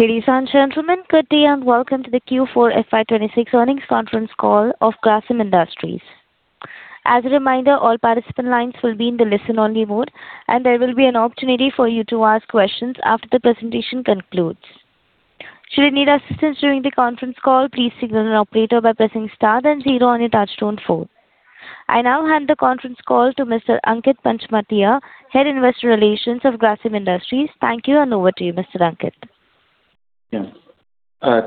Ladies and gentlemen, good day and welcome to the Q4 FY 2026 earnings conference call of Grasim Industries. As a reminder, all participant lines will be in the listen-only mode, and there will be an opportunity for you to ask questions after the presentation concludes. Should you need assistance during the conference call, please signal an operator by pressing star then zero on your touchtone phone. I now hand the conference call to Mr. Ankit Panchmatia, Head, Investor Relations of Grasim Industries. Thank you, and over to you, Mr. Ankit. Yeah.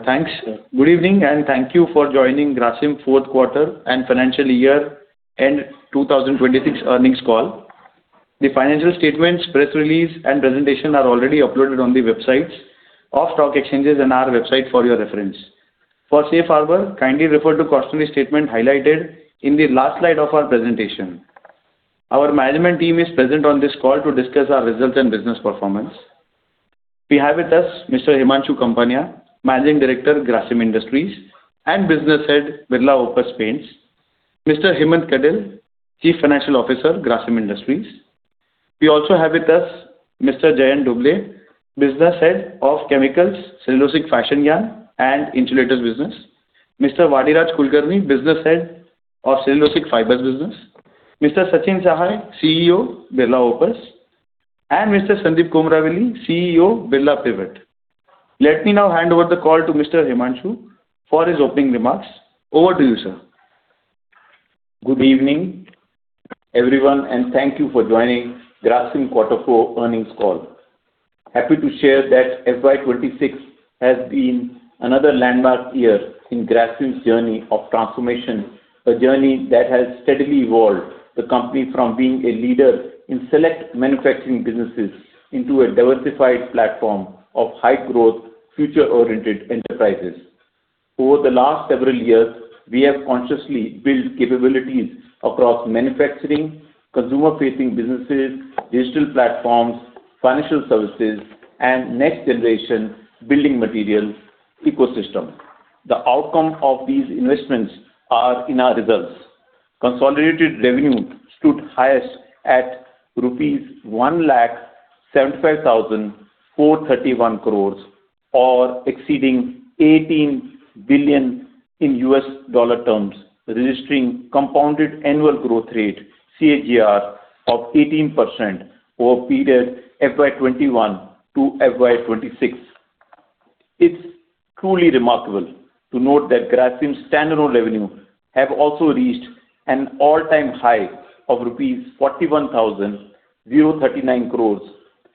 Thanks. Good evening, and thank you for joining Grasim fourth quarter and financial year end 2026 earnings call. The financial statements, press release, and presentation are already uploaded on the websites of stock exchanges and our website for your reference. For Safe Harbor, kindly refer to cautionary statement highlighted in the last slide of our presentation. Our management team is present on this call to discuss our results and business performance. We have with us Mr. Himanshu Kapania, Managing Director, Grasim Industries, and Business Head, Birla Opus Paints. Mr. Hemant Kadel, Chief Financial Officer, Grasim Industries. We also have with us Mr. Jayant Dhobley, Business Head of Chemicals, Cellulosic Fashion Yarn, and Insulators Business. Mr. Vadiraj Kulkarni, Business Head of Cellulosic Fibres Business. Mr. Sachin Sahay, CEO, Birla Opus, and Mr. Sandeep Komaravelly, CEO, Birla Pivot. Let me now hand over the call to Mr. Himanshu for his opening remarks. Over to you, sir. Good evening, everyone, and thank you for joining Grasim quarter four earnings call. Happy to share that FY 2026 has been another landmark year in Grasim's journey of transformation, a journey that has steadily evolved the company from being a leader in select manufacturing businesses into a diversified platform of high-growth, future-oriented enterprises. Over the last several years, we have consciously built capabilities across manufacturing, consumer-facing businesses, digital platforms, financial services, and next-generation building materials ecosystem. The outcome of these investments are in our results. Consolidated revenue stood highest at rupees 1,75,431 crores or exceeding $18 billion in US dollar terms, registering compounded annual growth rate, CAGR, of 18% over period FY 2021 to FY 2026. It's truly remarkable to note that Grasim's stand-alone revenue have also reached an all-time high of rupees 41,139 crores,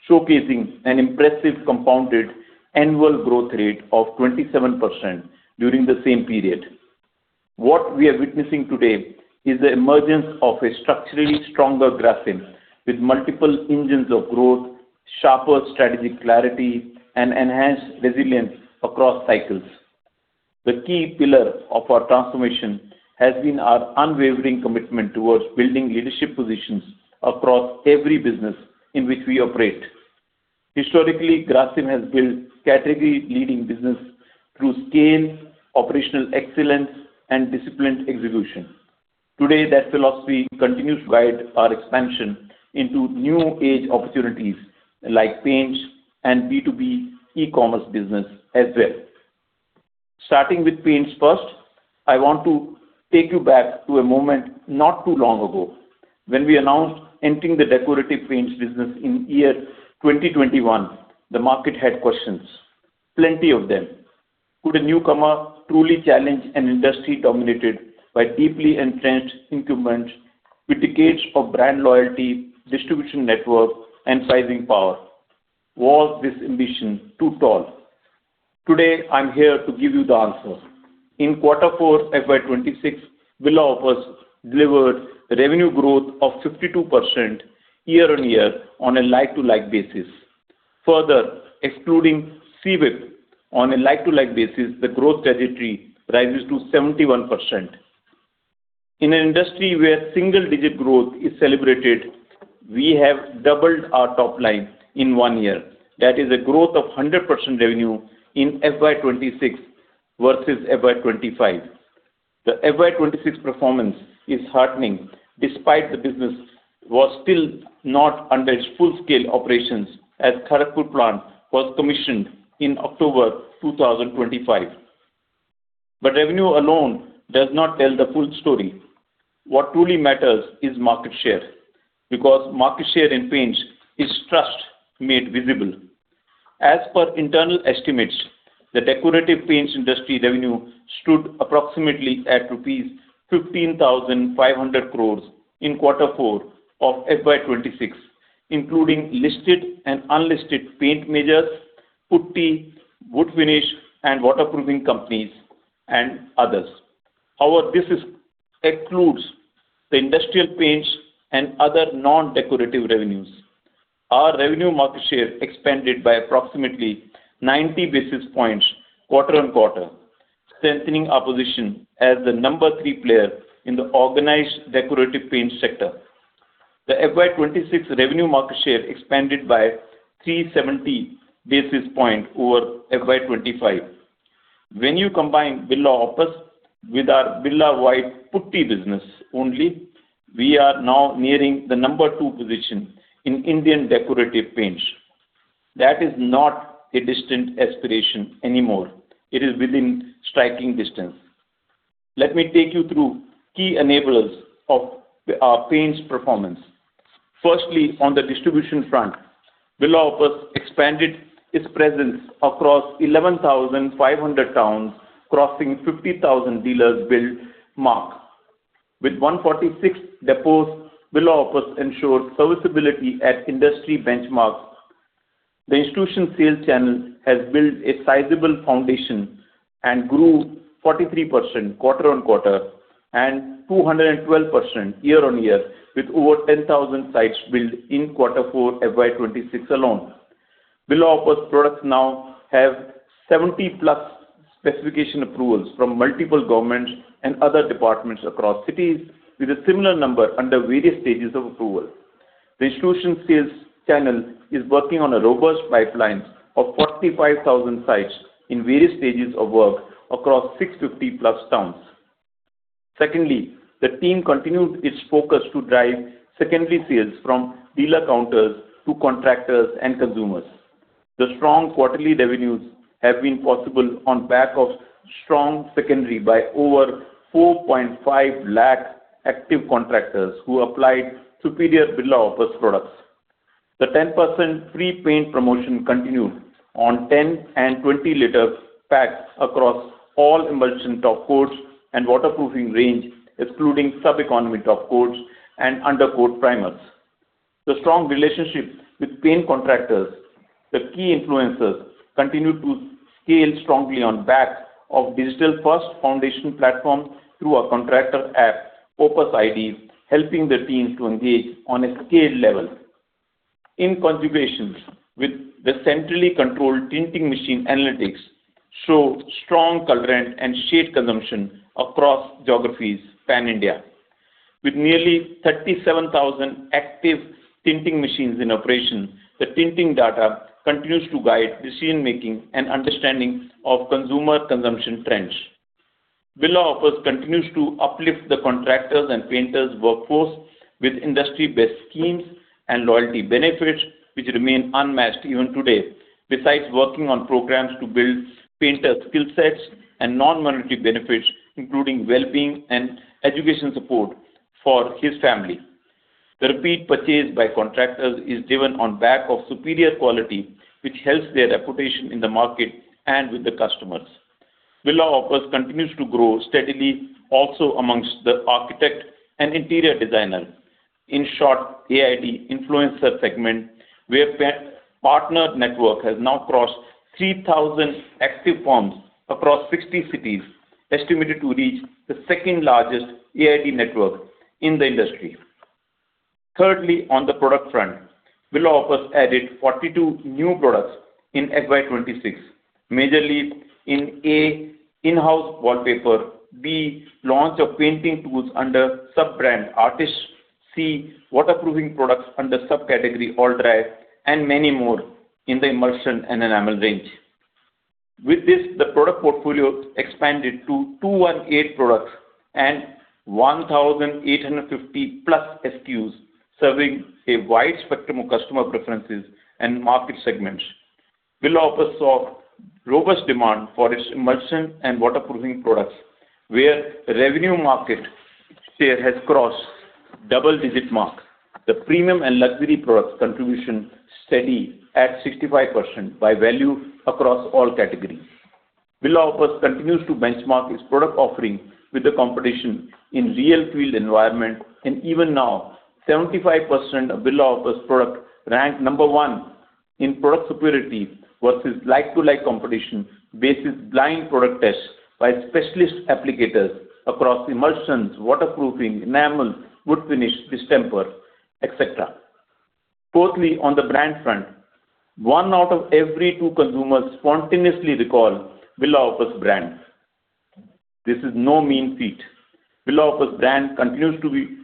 showcasing an impressive compounded annual growth rate of 27% during the same period. What we are witnessing today is the emergence of a structurally stronger Grasim with multiple engines of growth, sharper strategic clarity, and enhanced resilience across cycles. The key pillar of our transformation has been our unwavering commitment towards building leadership positions across every business in which we operate. Historically, Grasim has built category leading business through scale, operational excellence, and disciplined execution. Today, that philosophy continues to guide our expansion into new age opportunities like paints and B2B e-commerce business as well. Starting with paints first, I want to take you back to a moment not too long ago, when we announced entering the decorative paints business in 2021. The market had questions, plenty of them. Could a newcomer truly challenge an industry dominated by deeply entrenched incumbents with decades of brand loyalty, distribution network, and sizing power? Was this ambition too tall? Today, I'm here to give you the answer. In quarter four FY 2026, Birla Opus delivered revenue growth of 52% year-on-year on a like-to-like basis. Further, excluding CEIPIP, on a like-to-like basis, the growth trajectory rises to 71%. In an industry where single-digit growth is celebrated, we have doubled our top line in one year. That is a growth of 100% revenue in FY 2026 versus FY 2025. The FY 2026 performance is heartening despite the business was still not under its full-scale operations as Kharagpur plant was commissioned in October 2025. Revenue alone does not tell the full story. What truly matters is market share, because market share in paints is trust made visible. As per internal estimates, the decorative paints industry revenue stood approximately at rupees 15,500 crores in quarter four of FY 2026, including listed and unlisted paint majors, putty, wood finish, and waterproofing companies and others. However, this excludes the industrial paints and other non-decorative revenues. Our revenue market share expanded by approximately 90 basis points quarter-on-quarter, strengthening our position as the number three player in the organized decorative paint sector. The FY 2026 revenue market share expanded by 370 basis point over FY 2025. When you combine Birla Opus with our Birla White putty business only, we are now nearing the number two position in Indian decorative paints. That is not a distant aspiration anymore. It is within striking distance. Let me take you through key enablers of our paints performance. Firstly, on the distribution front, Birla Opus expanded its presence across 11,500 towns, crossing 50,000 dealers benchmark. With 146 depots, Birla Opus ensured serviceability at industry benchmarks. The institution sales channel has built a sizable foundation and grew 43% quarter-on-quarter and 212% year-on-year, with over 10,000 sites built in quarter four FY 2026 alone. Birla Opus products now have 70+ specification approvals from multiple governments and other departments across cities, with a similar number under various stages of approval. The institution sales channel is working on a robust pipeline of 45,000 sites in various stages of work across 650+ towns. Secondly, the team continued its focus to drive secondary sales from dealer counters to contractors and consumers. The strong quarterly revenues have been possible on back of strong secondary by over 4.5 lakh active contractors who applied superior Birla Opus products. The 10% free paint promotion continued on 10 and 20-liter packs across all emulsion top coats and waterproofing range, excluding sub-economy top coats and undercoat primers. The strong relationship with paint contractors, the key influencers, continued to scale strongly on back of digital-first foundation platform through our contractor app, Birla Opus ID, helping the teams to engage on scale level. In conjunction with the centrally controlled tinting machine analytics show strong colorant and shade consumption across geographies pan-India. With nearly 37,000 active tinting machines in operation, the tinting data continues to guide decision-making and understanding of consumer consumption trends. Birla Opus continues to uplift the contractors' and painters' workforce with industry-best schemes and loyalty benefits, which remain unmatched even today. Besides working on programs to build painters' skill sets and non-monetary benefits, including wellbeing and education support for his family. The repeat purchase by contractors is driven on back of superior quality, which helps their reputation in the market and with the customers. Birla Opus continues to grow steadily also amongst the architect and interior designer. In short, AID influencer segment, where partner network has now crossed 3,000 active firms across 60 cities, estimated to reach the second-largest AID network in the industry. Thirdly, on the product front, Birla Opus added 42 new products in FY 2026, majorly in, A, in-house wallpaper, B, launch of painting tools under sub-brand Artist, C, waterproofing products under sub-category Alldry, and many more in the emulsion and enamel range. With this, the product portfolio expanded to 218 products and 1,850+ SKUs, serving a wide spectrum of customer preferences and market segments. Birla Opus saw robust demand for its emulsion and waterproofing products, where revenue market share has crossed double-digit mark. The premium and luxury products contribution steady at 65% by value across all categories. Birla Opus continues to benchmark its product offering with the competition in real field environment, and even now, 75% of Birla Opus product ranked number one in product superiority versus like-to-like competition, basis blind product test by specialist applicators across emulsions, waterproofing, enamel, wood finish, distemper, et cetera. Fourthly, on the brand front, one out of every two consumers spontaneously recall Birla Opus brands. This is no mean feat. Birla Opus brand continues to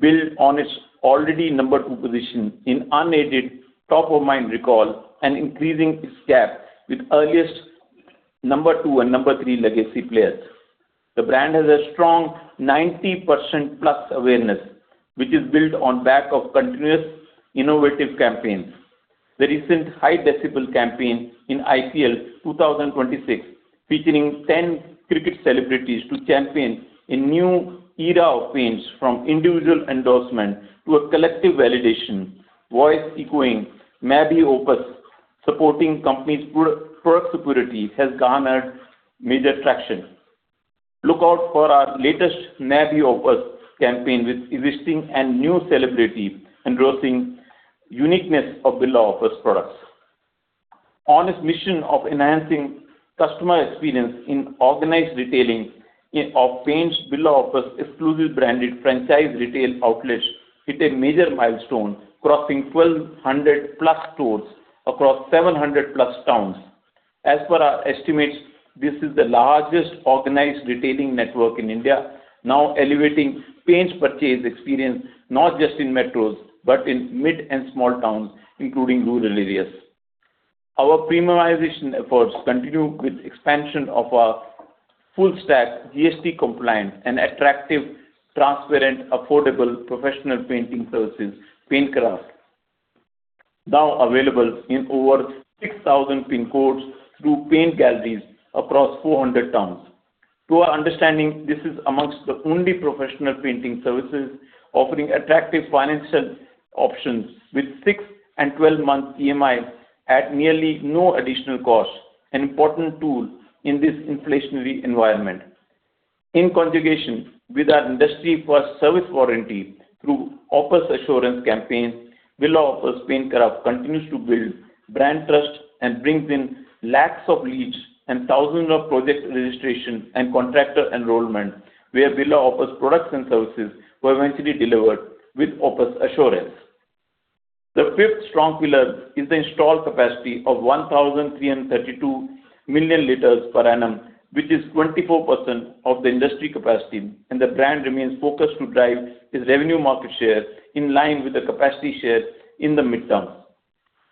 build on its already number two position in unaided top-of-mind recall and increasing its gap with earliest number two and number three legacy players. The brand has a strong 90% plus awareness, which is built on back of continuous innovative campaigns. The recent high decibel campaign in IPL 2026, featuring 10 cricket celebrities to champion a new era of paints from individual endorsement to a collective validation, voice echoing, "Birla Opus," supporting company's product superiority, has garnered major traction. Look out for our latest Birla Opus campaign with existing and new celebrities endorsing uniqueness of Birla Opus products. On its mission of enhancing customer experience in organized retailing of paints, Birla Opus exclusive branded franchise retail outlets hit a major milestone, crossing 1,200+ stores across 700+ towns. As per our estimates, this is the largest organized retailing network in India, now elevating paints purchase experience not just in metros, but in mid and small towns, including rural areas. Our premiumization efforts continue with expansion of our full stack, GST compliant and attractive, transparent, affordable, professional painting services, Paintkraft. Now available in over 6,000 PIN codes through paint galleries across 400 towns. To our understanding, this is amongst the only professional painting services offering attractive financial options with six and 12-month EMIs at nearly no additional cost, an important tool in this inflationary environment. In conjunction with our industry-first service warranty through Birla Opus Assurance campaign, Birla Opus Paintkraft continues to build brand trust and brings in lakhs of leads and thousands of project registrations and contractor enrollments, where Birla Opus products and services were eventually delivered with Birla Opus Assurance. The fifth strong pillar is the installed capacity of 1,332 million liters per annum, which is 24% of the industry capacity, and the brand remains focused to drive its revenue market share in line with the capacity share in the midterm.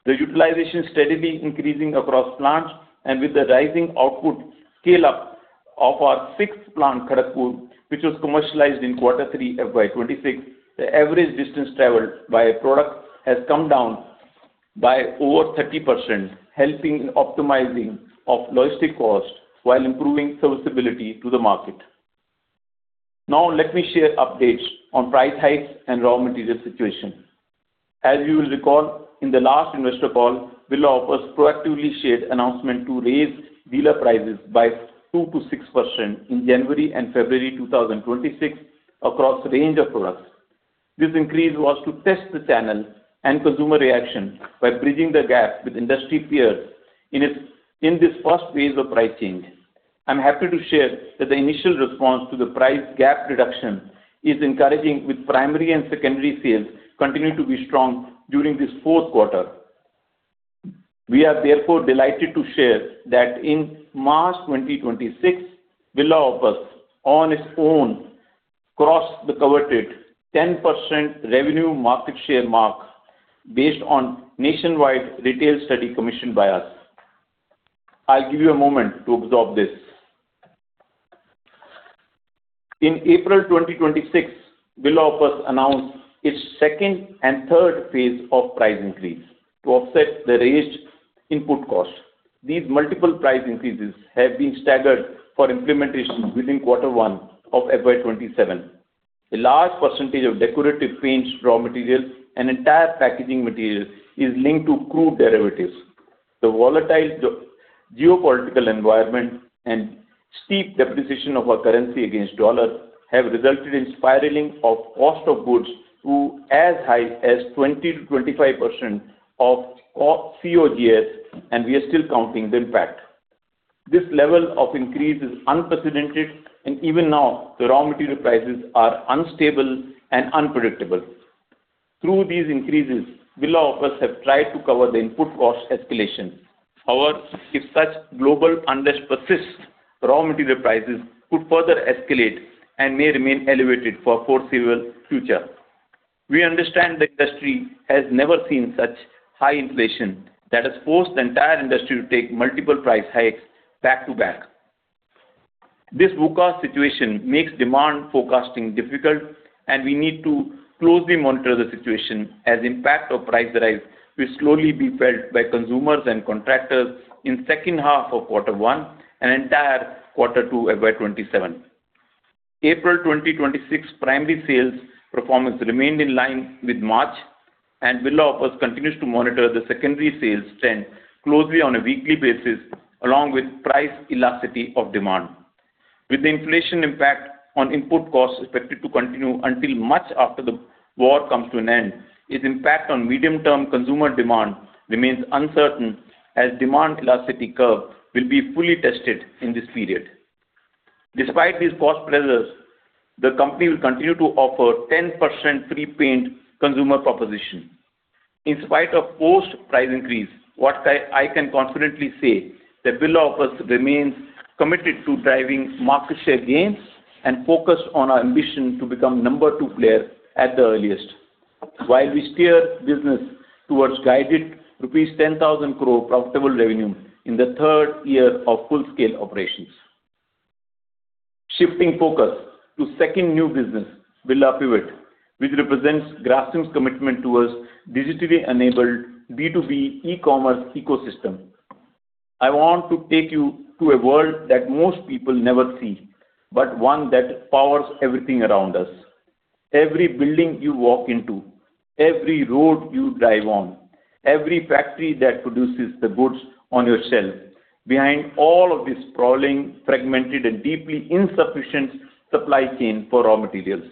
The utilization steadily increasing across plants, and with the rising output scale-up of our sixth plant, Kharagpur, which was commercialized in quarter three FY 2026, the average distance traveled by a product has come down by over 30%, helping in optimizing of logistic costs while improving serviceability to the market. Now, let me share updates on price hikes and raw material situation. As you will recall, in the last investor call, Birla Opus proactively shared announcement to raise dealer prices by 2% to 6% in January and February 2026 across range of products. This increase was to test the channel and consumer reaction by bridging the gap with industry peers in this 1st phase of price change. I'm happy to share that the initial response to the price gap reduction is encouraging, with primary and secondary sales continuing to be strong during this fourth quarter. We are therefore delighted to share that in March 2026, Birla Opus, on its own, crossed the coveted 10% revenue market share mark based on nationwide retail study commissioned by us. I'll give you a moment to absorb this. In April 2026, Birla Opus announced its second and third phase of price increase to offset the raised input costs. These multiple price increases have been staggered for implementation within quarter one of FY 2027. A large percentage of decorative paints' raw materials and entire packaging material is linked to crude derivatives. The volatile geopolitical environment and steep depreciation of our currency against dollar have resulted in spiraling of cost of goods to as high as 20%-25% of COGS, and we are still counting the impact. This level of increase is unprecedented, and even now, the raw material prices are unstable and unpredictable. Through these increases, Birla Opus have tried to cover the input cost escalation. However, if such global unrest persists, raw material prices could further escalate and may remain elevated for foreseeable future. We understand the industry has never seen such high inflation that has forced the entire industry to take multiple price hikes back to back. This VUCA situation makes demand forecasting difficult, and we need to closely monitor the situation as impact of price rise will slowly be felt by consumers and contractors in second half of quarter one and entire quarter two FY 2027. April 2026 primary sales performance remained in line with March, and Birla Opus continues to monitor the secondary sales trend closely on a weekly basis, along with price elasticity of demand. With the inflation impact on input costs expected to continue until much after the war comes to an end, its impact on medium-term consumer demand remains uncertain, as demand elasticity curve will be fully tested in this period. Despite these cost pressures, the company will continue to offer 10% free paint consumer proposition. In spite of post-price increase, what I can confidently say, that Birla Opus remains committed to driving market share gains and focused on our ambition to become number two player at the earliest, while we steer business towards guided rupees 10,000 crore profitable revenue in the third year of full-scale operations. Shifting focus to second new business, Birla Pivot, which represents Grasim's commitment towards digitally enabled B2B e-commerce ecosystem. I want to take you to a world that most people never see, but one that powers everything around us. Every building you walk into, every road you drive on, every factory that produces the goods on your shelf, behind all of this sprawling, fragmented, and deeply insufficient supply chain for raw materials: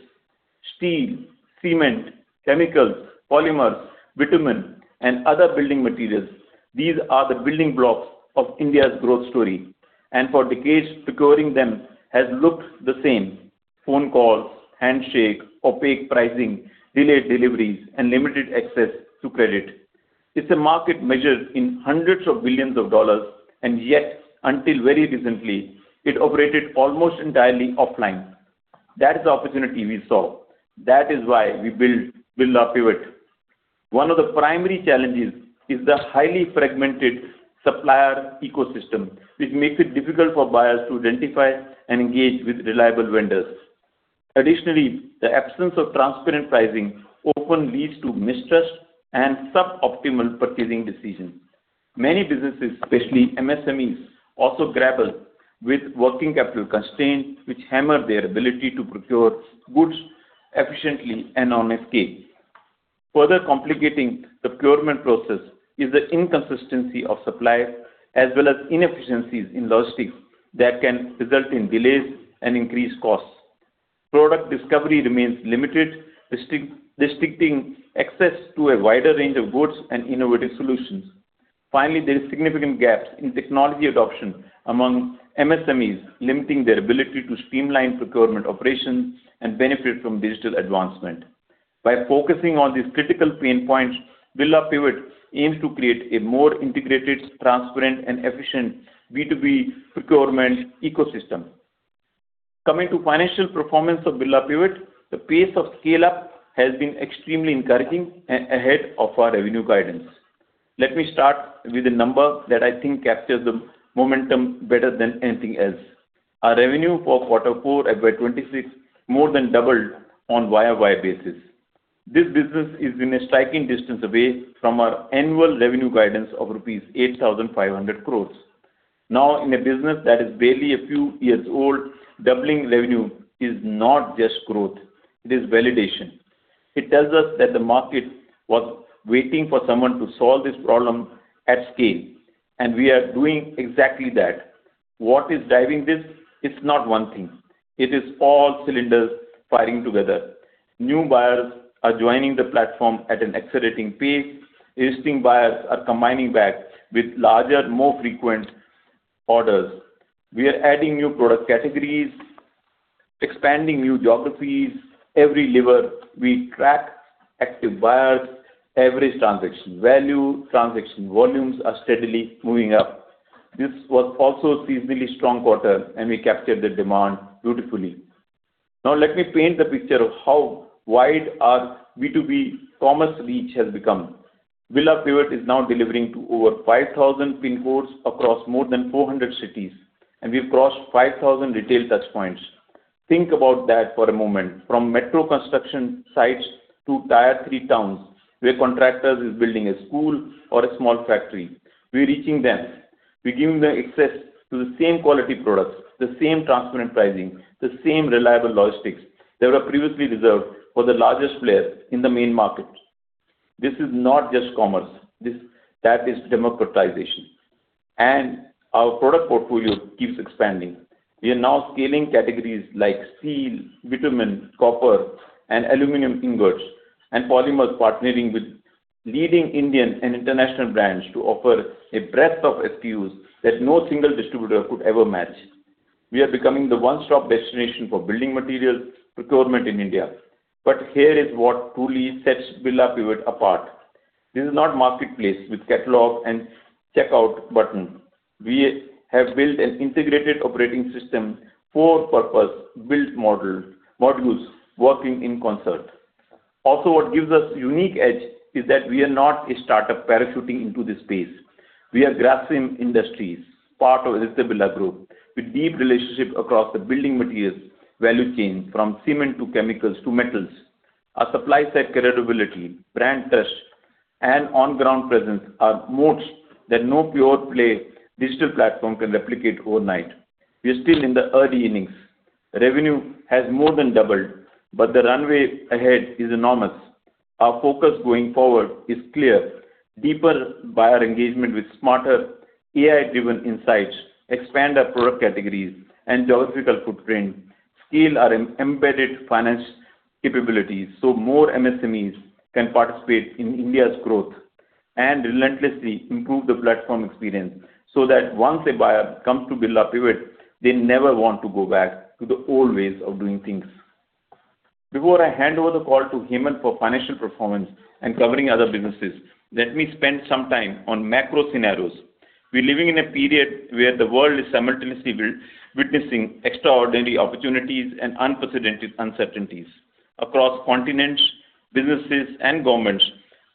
Steel, cement, chemicals, polymers, bitumen, and other building materials. These are the building blocks of India's growth story, and for decades, procuring them has looked the same: Phone calls, handshake, opaque pricing, delayed deliveries, and limited access to credit. It's a market measured in hundreds of billions of dollars, and yet, until very recently, it operated almost entirely offline. That is the opportunity we saw. That is why we built Birla Pivot. One of the primary challenges is the highly fragmented supplier ecosystem, which makes it difficult for buyers to identify and engage with reliable vendors. Additionally, the absence of transparent pricing often leads to mistrust and suboptimal purchasing decisions. Many businesses, especially MSMEs, also grapple with working capital constraints, which hammer their ability to procure goods efficiently and on scale. Further complicating the procurement process is the inconsistency of suppliers, as well as inefficiencies in logistics that can result in delays and increased costs. Product discovery remains limited, restricting access to a wider range of goods and innovative solutions. Finally, there is significant gaps in technology adoption among MSMEs, limiting their ability to streamline procurement operations and benefit from digital advancement. By focusing on these critical pain points, Birla Pivot aims to create a more integrated, transparent, and efficient B2B procurement ecosystem. Coming to financial performance of Birla Pivot, the pace of scale-up has been extremely encouraging ahead of our revenue guidance. Let me start with a number that I think captures the momentum better than anything else. Our revenue for Q4 FY 2026 more than doubled on YoY basis. This business is within striking distance away from our annual revenue guidance of rupees 8,500 crores. Now, in a business that is barely a few years old, doubling revenue is not just growth, it is validation. It tells us that the market was waiting for someone to solve this problem at scale, and we are doing exactly that. What is driving this? It's not one thing. It is all cylinders firing together. New buyers are joining the platform at an accelerating pace. Existing buyers are coming back with larger, more frequent orders. We are adding new product categories, expanding new geographies. Every lever we track, active buyers, average transaction value, transaction volumes are steadily moving up. This was also a seasonally strong quarter, and we captured the demand beautifully. Now, let me paint the picture of how wide our B2B commerce reach has become. Birla Pivot is now delivering to over 5,000 PIN codes across more than 400 cities. We've crossed 5,000 retail touchpoints. Think about that for a moment. From metro construction sites to tier 3 towns where contractors are building a school or a small factory, we're reaching them. We're giving them access to the same quality products, the same transparent pricing, the same reliable logistics that were previously reserved for the largest players in the main market. This is not just commerce, that is democratization. Our product portfolio keeps expanding. We are now scaling categories like steel, bitumen, copper, and aluminum ingots, and polymers, partnering with leading Indian and international brands to offer a breadth of SKUs that no single distributor could ever match. We are becoming the one-stop destination for building material procurement in India. Here is what truly sets Birla Pivot apart. This is not marketplace with catalog and checkout button. We have built an integrated operating system, four purpose-built modules working in concert. What gives us unique edge is that we are not a startup parachuting into this space. We are Grasim Industries, part of the Aditya Birla Group, with deep relationships across the building materials value chain, from cement to chemicals to metals. Our supply side credibility, brand trust, and on-ground presence are moats that no pure play digital platform can replicate overnight. We are still in the early innings. Revenue has more than doubled, but the runway ahead is enormous. Our focus going forward is clear. Deeper buyer engagement with smarter AI-driven insights, expand our product categories and geographical footprint, scale our embedded finance capabilities so more MSMEs can participate in India's growth, and relentlessly improve the platform experience, so that once a buyer comes to Birla Pivot, they never want to go back to the old ways of doing things. Before I hand over the call to Hemant for financial performance and covering other businesses, let me spend some time on macro scenarios. We're living in a period where the world is simultaneously witnessing extraordinary opportunities and unprecedented uncertainties. Across continents, businesses and governments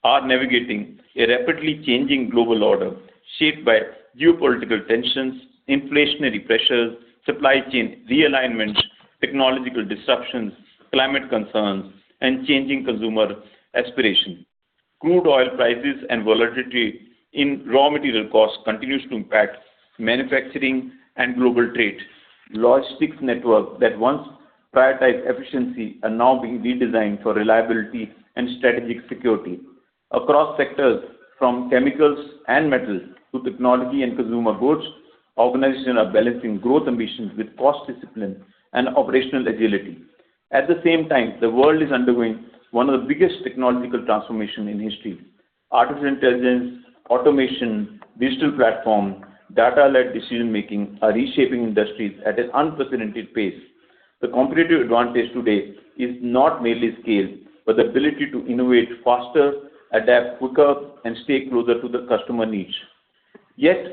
are navigating a rapidly changing global order shaped by geopolitical tensions, inflationary pressures, supply chain realignments, technological disruptions, climate concerns, and changing consumer aspirations. Crude oil prices and volatility in raw material costs continues to impact manufacturing and global trade. Logistics networks that once prioritized efficiency are now being redesigned for reliability and strategic security. Across sectors from chemicals and metals to technology and consumer goods, organizations are balancing growth ambitions with cost discipline and operational agility. At the same time, the world is undergoing one of the biggest technological transformations in history. Artificial intelligence, automation, digital platforms, data-led decision-making are reshaping industries at an unprecedented pace. The competitive advantage today is not merely scale, but the ability to innovate faster, adapt quicker, and stay closer to the customer niche.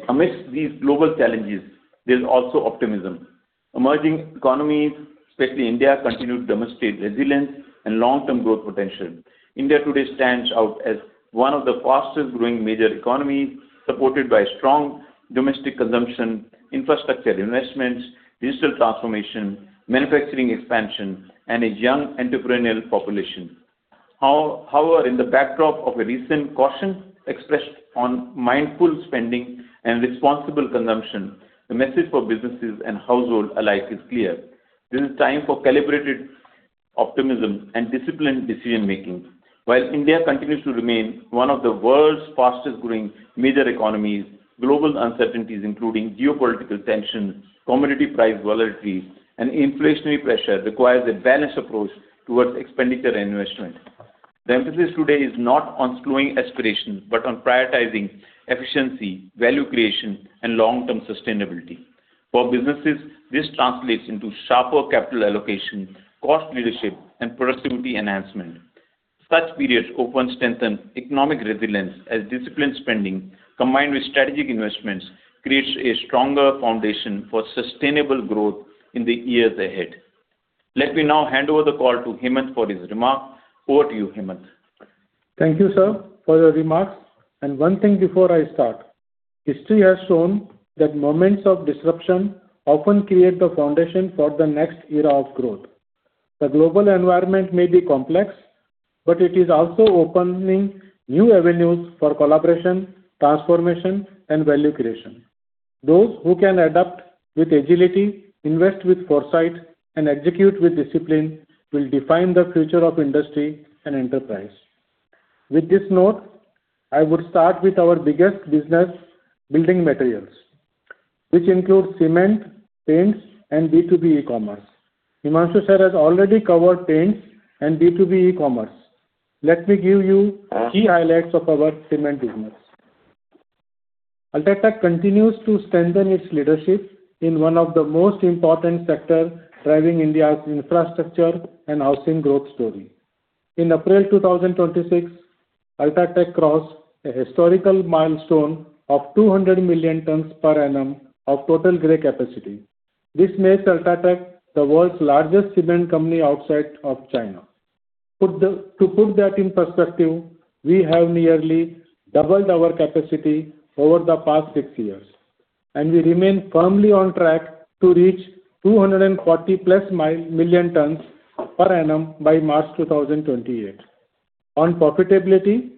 Amidst these global challenges, there's also optimism. Emerging economies, especially India, continue to demonstrate resilience and long-term growth potential. India today stands out as one of the fastest growing major economies, supported by strong domestic consumption, infrastructure investments, digital transformation, manufacturing expansion, and a young entrepreneurial population. However, in the backdrop of a recent caution expressed on mindful spending and responsible consumption, the message for businesses and households alike is clear. This is time for calibrated optimism and disciplined decision making. While India continues to remain one of the world's fastest growing major economies, global uncertainties including geopolitical tensions, commodity price volatility, and inflationary pressure requires a balanced approach towards expenditure and investment. The emphasis today is not on slowing aspirations, but on prioritizing efficiency, value creation, and long-term sustainability. For businesses, this translates into sharper capital allocation, cost leadership, and productivity enhancement. Such periods often strengthen economic resilience as disciplined spending, combined with strategic investments, creates a stronger foundation for sustainable growth in the years ahead. Let me now hand over the call to Hemant for his remarks. Over to you, Hemant. Thank you, sir, for your remarks. One thing before I start. History has shown that moments of disruption often create the foundation for the next era of growth. The global environment may be complex, but it is also opening new avenues for collaboration, transformation, and value creation. Those who can adapt with agility, invest with foresight, and execute with discipline will define the future of industry and enterprise. With this note, I would start with our biggest business, building materials, which includes cement, paints, and B2B e-commerce. Himanshu Sir has already covered paints and B2B e-commerce. Let me give you key highlights of our cement business. UltraTech continues to strengthen its leadership in one of the most important sector driving India's infrastructure and housing growth story. In April 2026, UltraTech crossed a historical milestone of 200 million tons per annum of total gray capacity. This makes UltraTech the world's largest cement company outside of China. To put that in perspective, we have nearly doubled our capacity over the past six years, and we remain firmly on track to reach 240+ million tons per annum by March 2028. On profitability,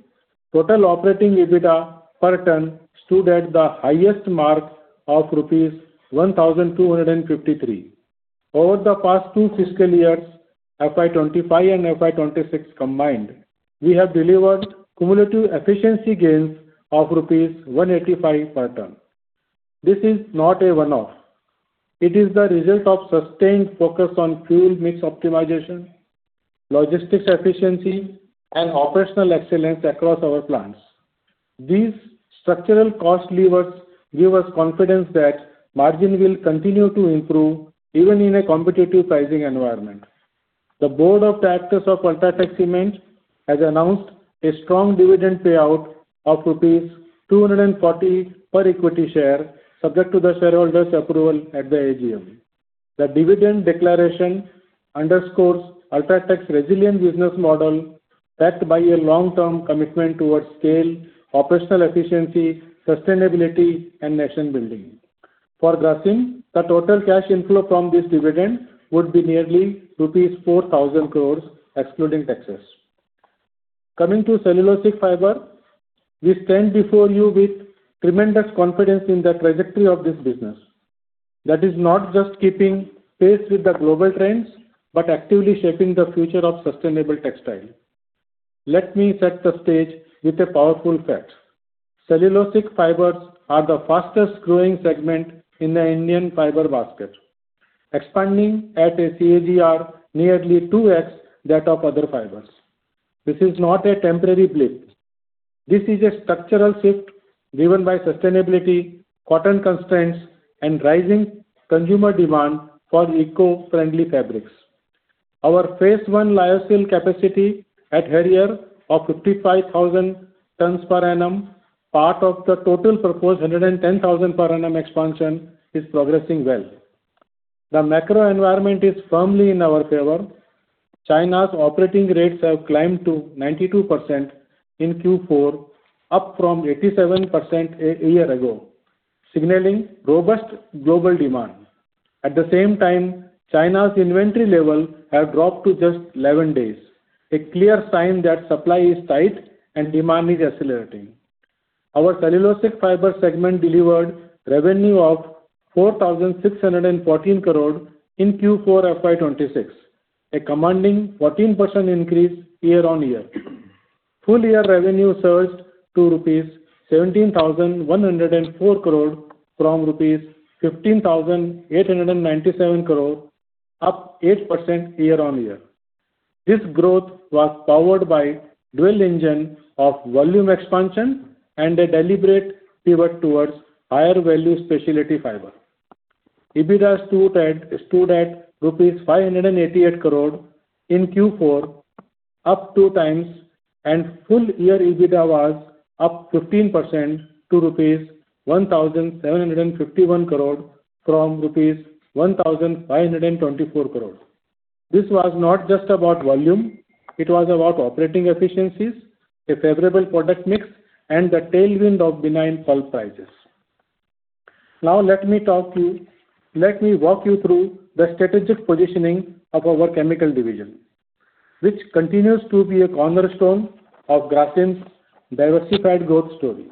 total operating EBITDA per ton stood at the highest mark of rupees 1,253. Over the past two fiscal years, FY 2025 and FY 2026 combined, we have delivered cumulative efficiency gains of rupees 185 per ton. This is not a one-off. It is the result of sustained focus on fuel mix optimization, logistics efficiency, and operational excellence across our plants. These structural cost levers give us confidence that margin will continue to improve even in a competitive pricing environment. The Board of Directors of UltraTech Cement has announced a strong dividend payout of rupees 240 per equity share, subject to the shareholders' approval at the AGM. The dividend declaration underscores UltraTech's resilient business model backed by a long-term commitment towards scale, operational efficiency, sustainability, and nation building. For Grasim, the total cash inflow from this dividend would be nearly rupees 4,000 crores, excluding taxes. Coming to Cellulosic Fibre, we stand before you with tremendous confidence in the trajectory of this business. That is not just keeping pace with the global trends, but actively shaping the future of sustainable textile. Let me set the stage with a powerful fact. Cellulosic fibers are the fastest growing segment in the Indian fiber basket, expanding at a CAGR nearly 2x that of other fibers. This is not a temporary blip. This is a structural shift driven by sustainability, cotton constraints, and rising consumer demand for eco-friendly fabrics. Our phase one lyocell capacity at Harihar of 55,000 tons per annum, part of the total proposed 110,000 tons per annum expansion, is progressing well. The macro environment is firmly in our favor. China's operating rates have climbed to 92% in Q4, up from 87% a year ago, signaling robust global demand. At the same time, China's inventory level have dropped to just 11 days, a clear sign that supply is tight and demand is accelerating. Our Cellulosic Fibre segment delivered revenue of 4,614 crore in Q4 FY 2026, a commanding 14% increase year-on-year. Full-year revenue surged to rupees 17,104 crore from rupees 15,897 crore, up 8% year-on-year. This growth was powered by dual engine of volume expansion and a deliberate pivot towards higher value specialty fiber. EBITDA stood at rupees 588 crore in Q4, up two times, and full year EBITDA was up 15% to rupees 1,751 crore from rupees 1,524 crore. This was not just about volume, it was about operating efficiencies, a favorable product mix, and the tailwind of benign pulp prices. Now let me walk you through the strategic positioning of our chemical division, which continues to be a cornerstone of Grasim's diversified growth story.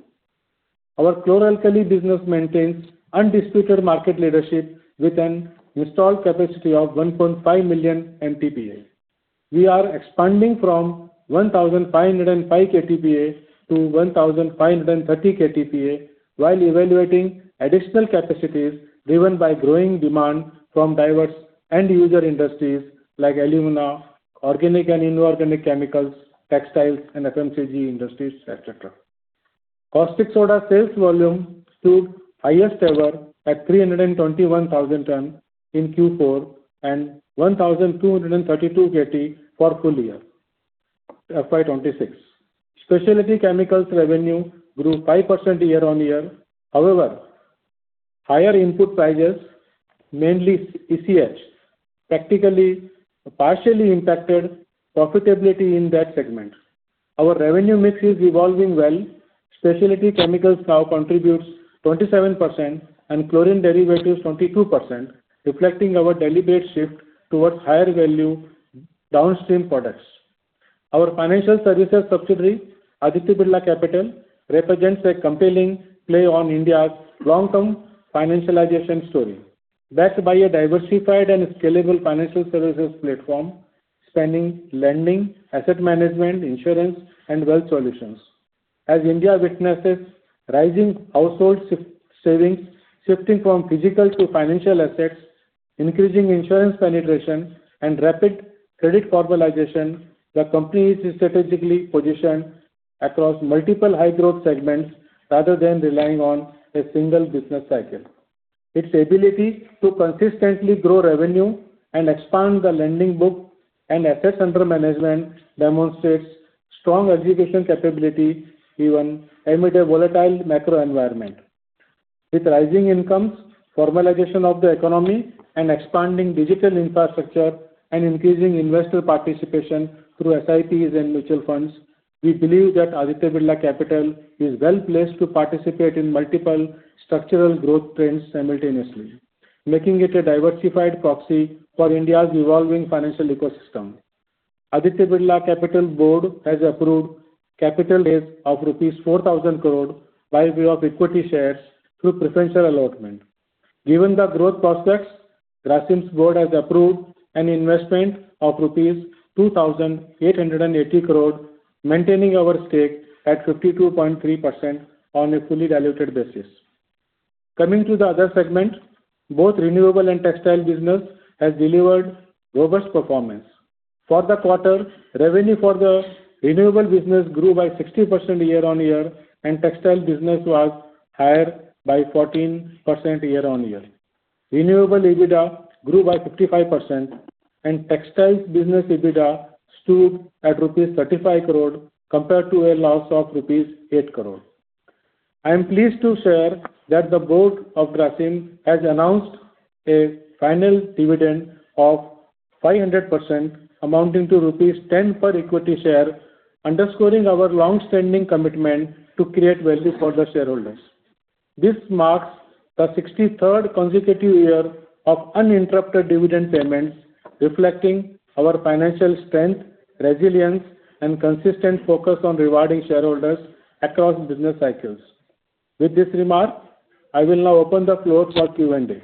Our chlor-alkali business maintains undisputed market leadership with an installed capacity of 1.5 million MTPA. We are expanding from 1,505 KTPA to 1,530 KTPA while evaluating additional capacities driven by growing demand from diverse end user industries like alumina, organic and inorganic chemicals, textiles and FMCG industries, et cetera. Caustic soda sales volume stood highest ever at 321,000 tons in Q4 and 1,232 KT for full year FY 2026. Specialty chemicals revenue grew 5% year-on-year. Higher input prices, mainly ECH, partially impacted profitability in that segment. Our revenue mix is evolving well. Specialty chemicals now contributes 27% and chlorine derivatives 22%, reflecting our deliberate shift towards higher value downstream products. Our financial services subsidiary, Aditya Birla Capital, represents a compelling play on India's long-term financialization story, backed by a diversified and scalable financial services platform spanning lending, asset management, insurance, and wealth solutions. India witnesses rising household savings, shifting from physical to financial assets, increasing insurance penetration, and rapid credit formalization, the company is strategically positioned across multiple high growth segments rather than relying on a single business cycle. Its ability to consistently grow revenue and expand the lending book and assets under management demonstrates strong execution capability even amid a volatile macro environment. With rising incomes, formalization of the economy and expanding digital infrastructure, and increasing investor participation through SIPs and mutual funds, we believe that Aditya Birla Capital is well-placed to participate in multiple structural growth trends simultaneously, making it a diversified proxy for India's evolving financial ecosystem. Aditya Birla Capital board has approved capital raise of rupees 4,000 crore by way of equity shares through preferential allotment. Given the growth prospects, Grasim's board has approved an investment of rupees 2,880 crore, maintaining our stake at 52.3% on a fully diluted basis. Coming to the other segment, both renewable and textile business has delivered robust performance. For the quarter, revenue for the renewable business grew by 60% year-on-year, and textile business was higher by 14% year-on-year. Renewable EBITDA grew by 55%, and textiles business EBITDA stood at rupees 35 crore compared to a loss of rupees 8 crore. I am pleased to share that the board of Grasim has announced a final dividend of 500%, amounting to rupees 10 per equity share, underscoring our longstanding commitment to create value for the shareholders. This marks the 63rd consecutive year of uninterrupted dividend payments, reflecting our financial strength, resilience, and consistent focus on rewarding shareholders across business cycles. With this remark, I will now open the floor for Q&A.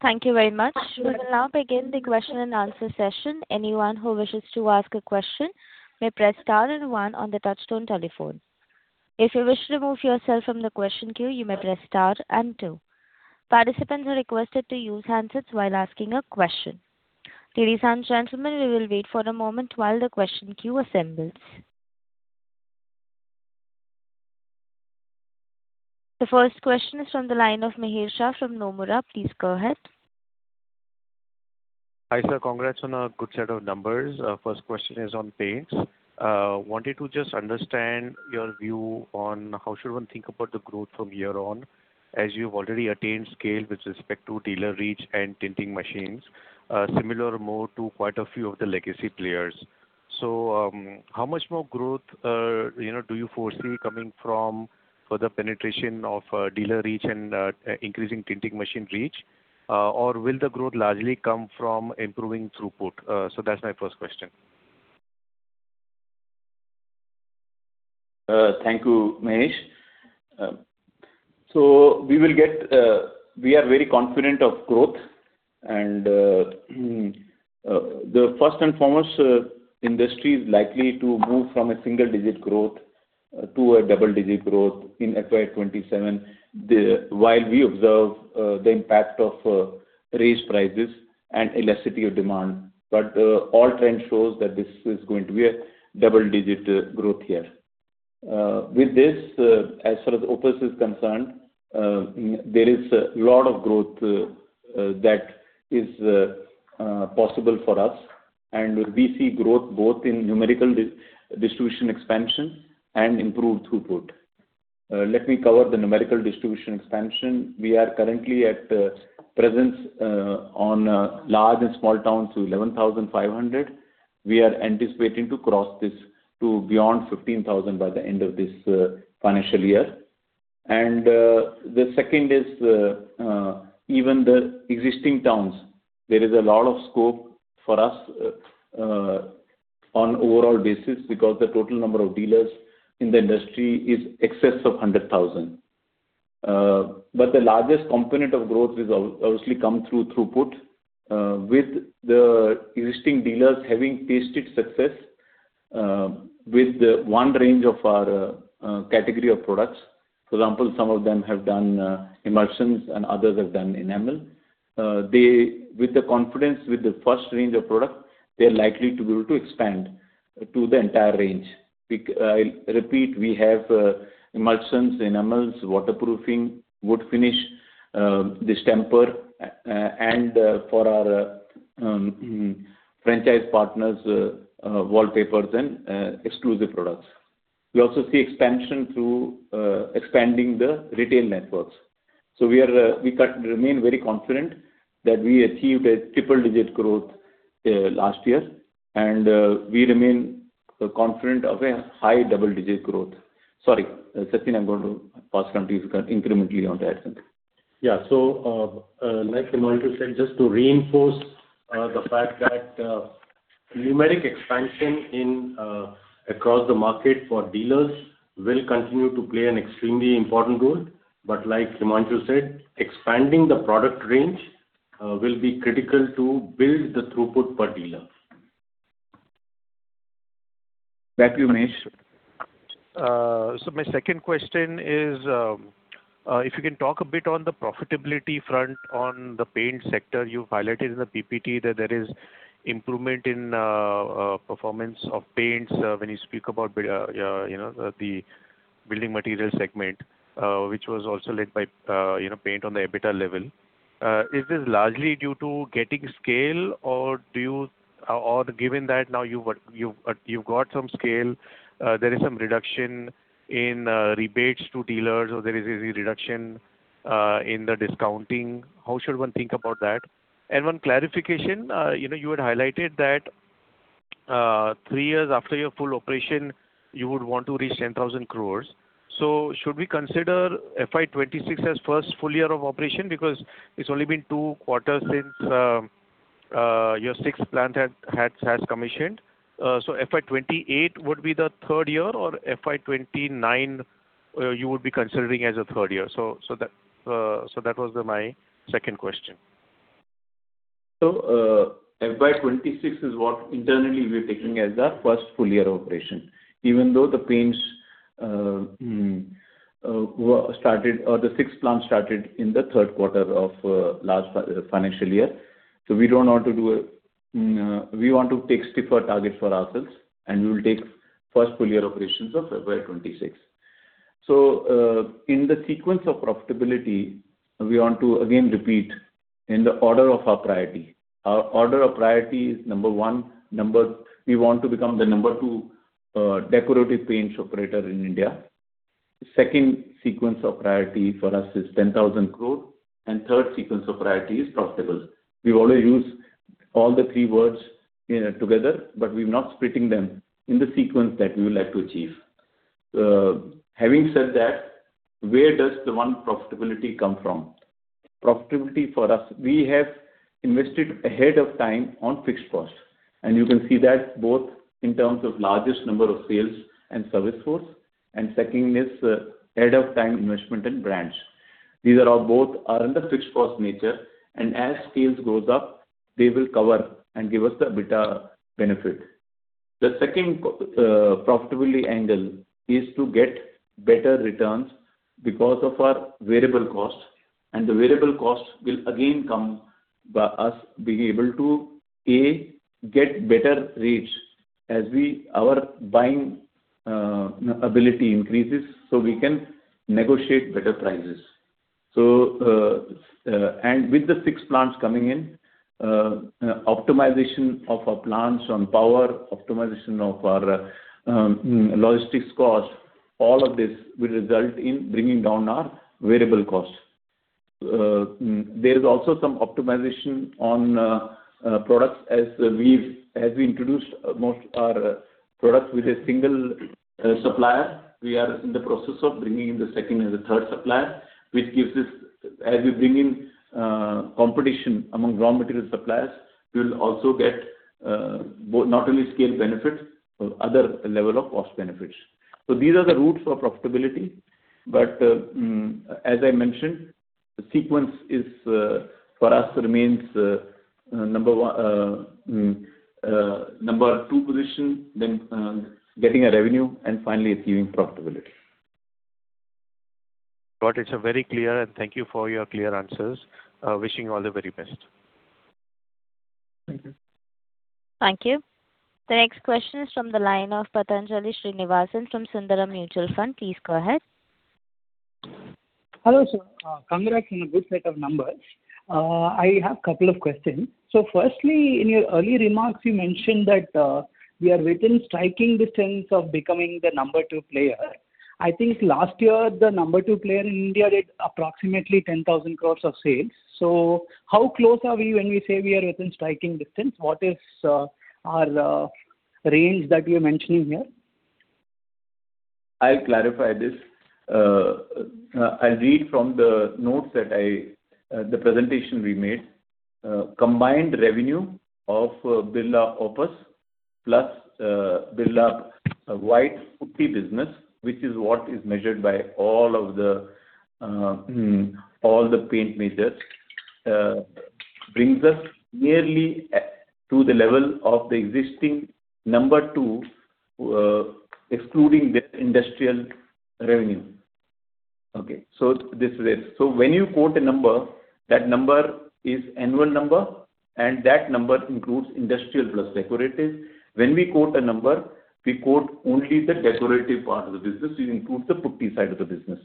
Thank you very much. We will now begin the question and answer session. Anyone who wishes to ask a question may press star and one on the touchtone telephone. If you wish to remove yourself from the question queue, you may press star and two. Participants are requested to use handsets while asking a question. Ladies and gentlemen, we will wait for a moment while the question queue assembles. The first question is from the line of Hemish Shah from Nomura. Please go ahead. Hi, sir. Congrats on a good set of numbers. First question is on paints. Wanted to just understand your view on how should one think about the growth from here on, as you've already attained scale with respect to dealer reach and tinting machines, similar more to quite a few of the legacy players. How much more growth do you foresee will be coming from further penetration of dealer reach and increasing tinting machine reach? Will the growth largely come from improving throughput? That's my first question. Thank you, Hemish. We are very confident of growth. The first and foremost, industry is likely to move from a single-digit growth to a double-digit growth in FY 2027. While we observe the impact of raised prices and elasticity of demand. All trend shows that this is going to be a double-digit growth year. With this, as far as Opus is concerned, there is a lot of growth. That is possible for us, and we see growth both in numerical distribution expansion and improved throughput. Let me cover the numerical distribution expansion. We are currently at presence on large and small towns to 11,500. We are anticipating to cross this to beyond 15,000 by the end of this financial year. The second is, even the existing towns, there is a lot of scope for us on overall basis because the total number of dealers in the industry is excess of 100,000. The largest component of growth obviously come through throughput, with the existing dealers having tasted success with the one range of our category of products. For example, some of them have done emulsions and others have done enamel. With the confidence, with the first range of product, they're likely to be able to expand to the entire range. I repeat, we have emulsions, enamels, waterproofing, wood finish, distemper, and for our franchise partners, wallpapers and exclusive products. We also see expansion through expanding the retail networks. We remain very confident that we achieved a triple-digit growth last year, and we remain confident of a high double-digit growth. Sorry, Sachin, I'm going to pass on to you incrementally on that. Yeah. like Himanshu said, just to reinforce the fact that numeric expansion across the market for dealers will continue to play an extremely important role, but like Himanshu said, expanding the product range will be critical to build the throughput per dealer. Back to you, Hemish. My second question is, if you can talk a bit on the profitability front on the paint sector. You highlighted in the PPT that there is improvement in performance of paints when you speak about the building material segment, which was also led by paint on the EBITDA level. Is this largely due to getting scale, or given that now you've got some scale, there is some reduction in rebates to dealers, or there is a reduction in the discounting? How should one think about that? One clarification, you had highlighted that three years after your full operation, you would want to reach 10,000 crore. Should we consider FY 2026 as first full year of operation? Because it's only been two quarters since your sixth plant has commissioned. FY 2028 would be the third year or FY 2029 you would be considering as a third year? That was my second question. FY 2026 is what internally we're taking as the first full year of operation, even though the Birla Opus Paints started, or the sixth plant started in the third quarter of last financial year. We want to take stiffer targets for ourselves, and we will take first full year operations of FY 2026. In the sequence of profitability, we want to again repeat in the order of our priority. Our order of priority is, number one, we want to become the number two decorative paints operator in India. Second sequence of priority for us is 10,000 crore. Third sequence of priority is profitable. We've already used all the three words together, but we're not splitting them in the sequence that we would like to achieve. Having said that, where does the one profitability come from? Profitability for us, we have invested ahead of time on fixed costs. You can see that both in terms of largest number of sales and service force, and second is ahead of time investment in branch. These are both under fixed cost nature, and as sales goes up, they will cover and give us the EBITDA benefit. The second profitability angle is to get better returns because of our variable costs. The variable costs will again come by us being able to, A, get better rates as our buying ability increases, so we can negotiate better prices. With the six plants coming in, optimization of our plants on power, optimization of our logistics cost, all of this will result in bringing down our variable costs. There is also some optimization on products as we introduced most our products with a single supplier. We are in the process of bringing in the second and the third supplier, which gives us, as we bring in competition among raw material suppliers, we'll also get not only scale benefits, but other level of cost benefits. These are the routes for profitability. As I mentioned, the sequence for us remains number two position, then getting a revenue, and finally achieving profitability. Got it. Very clear, and thank you for your clear answers. Wishing you all the very best. Thank you. The next question is from the line of Pathanjali Srinivasan from Sundaram Mutual Fund. Please go ahead. Hello, sir. Congrats on a good set of numbers. I have a couple of questions. Firstly, in your early remarks, you mentioned that we are within striking distance of becoming the number two player. I think last year, the number two player in India did approximately 10,000 crore of sales. How close are we when we say we are within striking distance? What is our range that you're mentioning here? I'll clarify this. I'll read from the notes, the presentation we made. Combined revenue of Birla Opus plus Birla White Putty business, which is what is measured by all the paint makers, brings us nearly to the level of the existing number two, excluding the industrial revenue. Okay. When you quote a number, that number is annual number, and that number includes industrial plus decorative. When we quote a number, we quote only the decorative part of the business. We include the putty side of the business.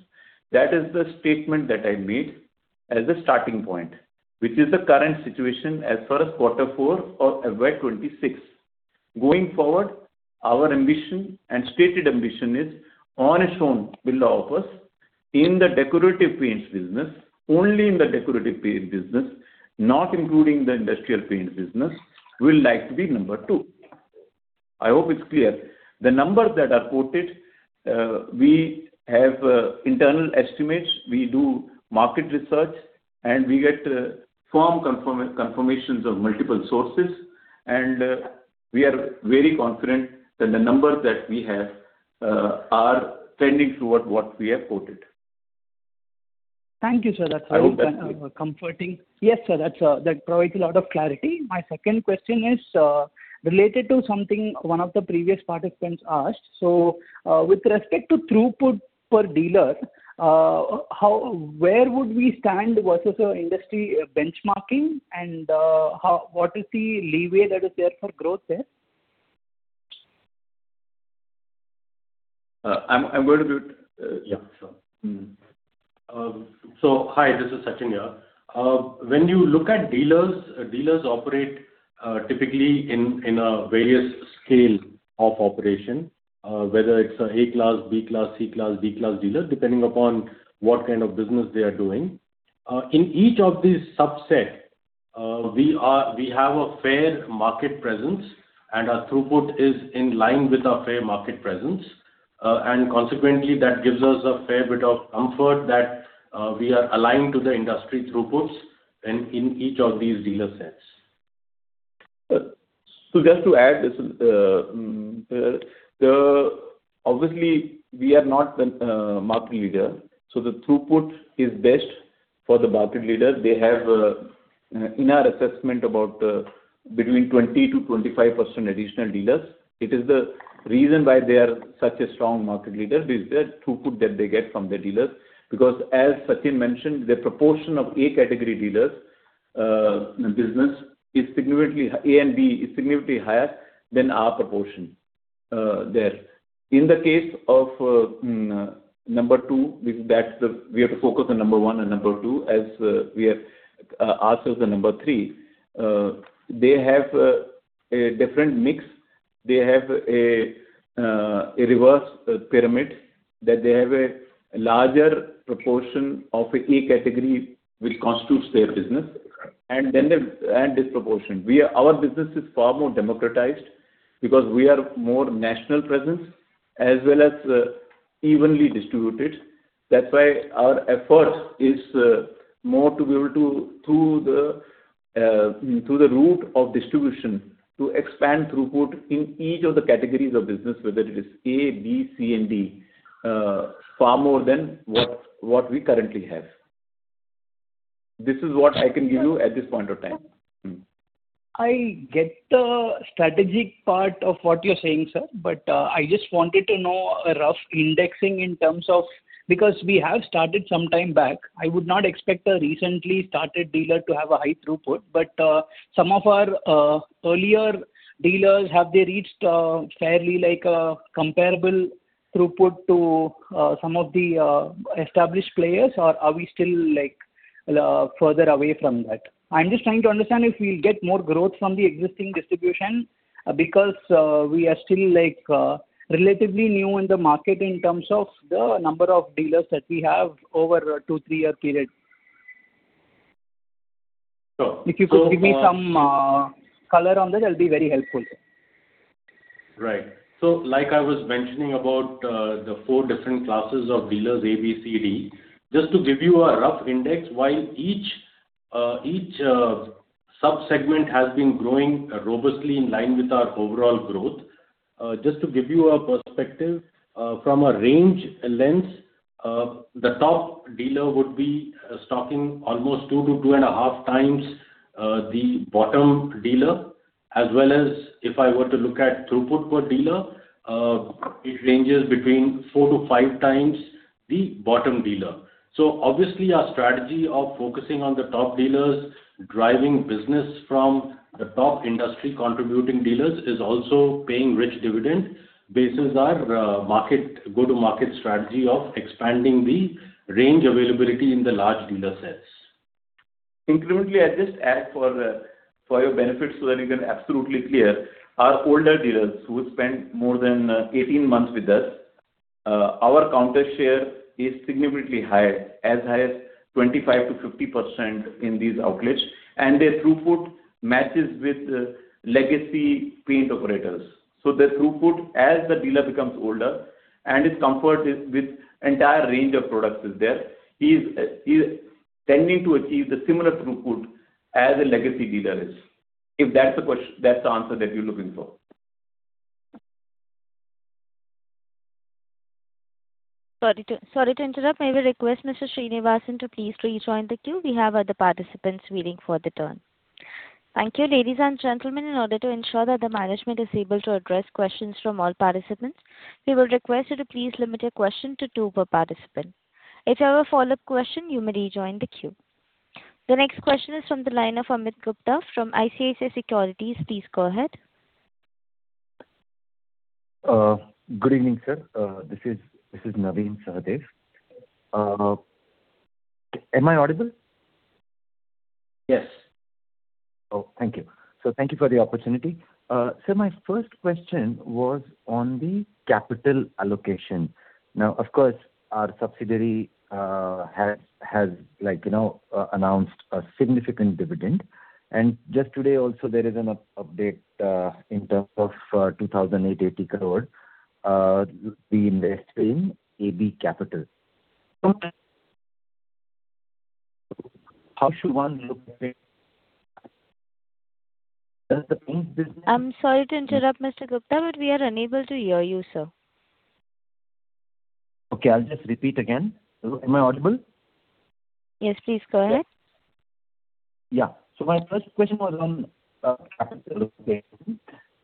That is the statement that I made as a starting point, which is the current situation as far as quarter four of FY 2026. Going forward, our ambition and stated ambition is on its own, Birla Opus, in the decorative paints business, only in the decorative paint business, not including the industrial paints business, we would like to be number two. I hope it's clear. The numbers that are quoted, we have internal estimates, we do market research, and we get firm confirmations of multiple sources, and we are very confident that the numbers that we have are trending toward what we have quoted. Thank you, sir. I hope that's clear. Comforting. Yes, sir. That provides a lot of clarity. My second question is related to something one of the previous participants asked. With respect to throughput per dealer, where would we stand versus our industry benchmarking, and what is the leeway that is there for growth there? Hi, this is Sachin here. When you look at dealers operate typically in a various scale of operation, whether it's an A-class, B-class, C-class, D-class dealer, depending upon what kind of business they are doing. In each of these subset, we have a fair market presence, and our throughput is in line with our fair market presence. Consequently, that gives us a fair bit of comfort that we are aligned to the industry throughputs in each of these dealer sets. Just to add, obviously, we are not the market leader, the throughput is best for the market leader. They have, in our assessment, about between 20%-25% additional dealers. It is the reason why they are such a strong market leader is the throughput that they get from the dealers. As Sachin mentioned, the proportion of A category dealers in the business, A and B, is significantly higher than our proportion there. In the case of number two, we have to focus on number one and number two, as ourselves the number three. They have a different mix. They have a reverse pyramid, that they have a larger proportion of A category, which constitutes their business, and disproportion. Our business is far more democratized because we are more national presence, as well as evenly distributed. That's why our effort is more to be able to, through the route of distribution, to expand throughput in each of the categories of business, whether it is A, B, C, and D, far more than what we currently have. This is what I can give you at this point of time. I get the strategic part of what you're saying, sir, but I just wanted to know a rough indexing in terms of Because we have started some time back, I would not expect a recently started dealer to have a high throughput. Some of our earlier dealers, have they reached fairly comparable throughput to some of the established players, or are we still further away from that? I'm just trying to understand if we'll get more growth from the existing distribution, because we are still relatively new in the market in terms of the number of dealers that we have over a two, three-year period. So— If you could give me some color on this, that'll be very helpful, sir. Right. Like I was mentioning about the four different classes of dealers, A, B, C, D, just to give you a rough index, while each subsegment has been growing robustly in line with our overall growth. Just to give you a perspective, from a range lens, the top dealer would be stocking almost two to two and a half times the bottom dealers. As well as if I want to look at throughput per dealer, it ranges between four to five times the bottom dealer. Obviously our strategy of focusing on the top dealers, driving business from the top industry contributing dealers is also paying rich dividend basis our go-to-market strategy of expanding the range availability in the large dealer sets. Incidentally, I just add for your benefit so that you can be absolutely clear. Our older dealers who spent more than 18 months with us, our counter share is significantly high, as high as 25%-50% in these outlets, and their throughput matches with legacy paint operators. The throughput, as the dealer becomes older and his comfort is with entire range of products is there, he's tending to achieve the similar throughput as a legacy dealer is, if that's the answer that you're looking for. Sorry to interrupt. May we request Mr. Srinivasan to please rejoin the queue. We have other participants waiting for the turn. Thank you. Ladies and gentlemen, in order to ensure that the management is able to address questions from all participants, we will request you to please limit your question to two per participant. If you have a follow-up question, you may rejoin the queue. The next question is from the line of Amit Gupta from ICICI Securities. Please go ahead. Good evening, sir. This is Navin Sahadeo. Am I audible? Yes. Thank you. Thank you for the opportunity. Sir, my first question was on the capital allocation. Of course, our subsidiary has announced a significant dividend. Just today also, there is an update in terms of 2,800 crore to be invested in AB Capital. How should one look at it? Does the paint business- I'm sorry to interrupt, Mr. Gupta, but we are unable to hear you, sir. Okay, I'll just repeat again. Hello, am I audible? Yes, please, go ahead. Yeah. My first question was on capital allocation,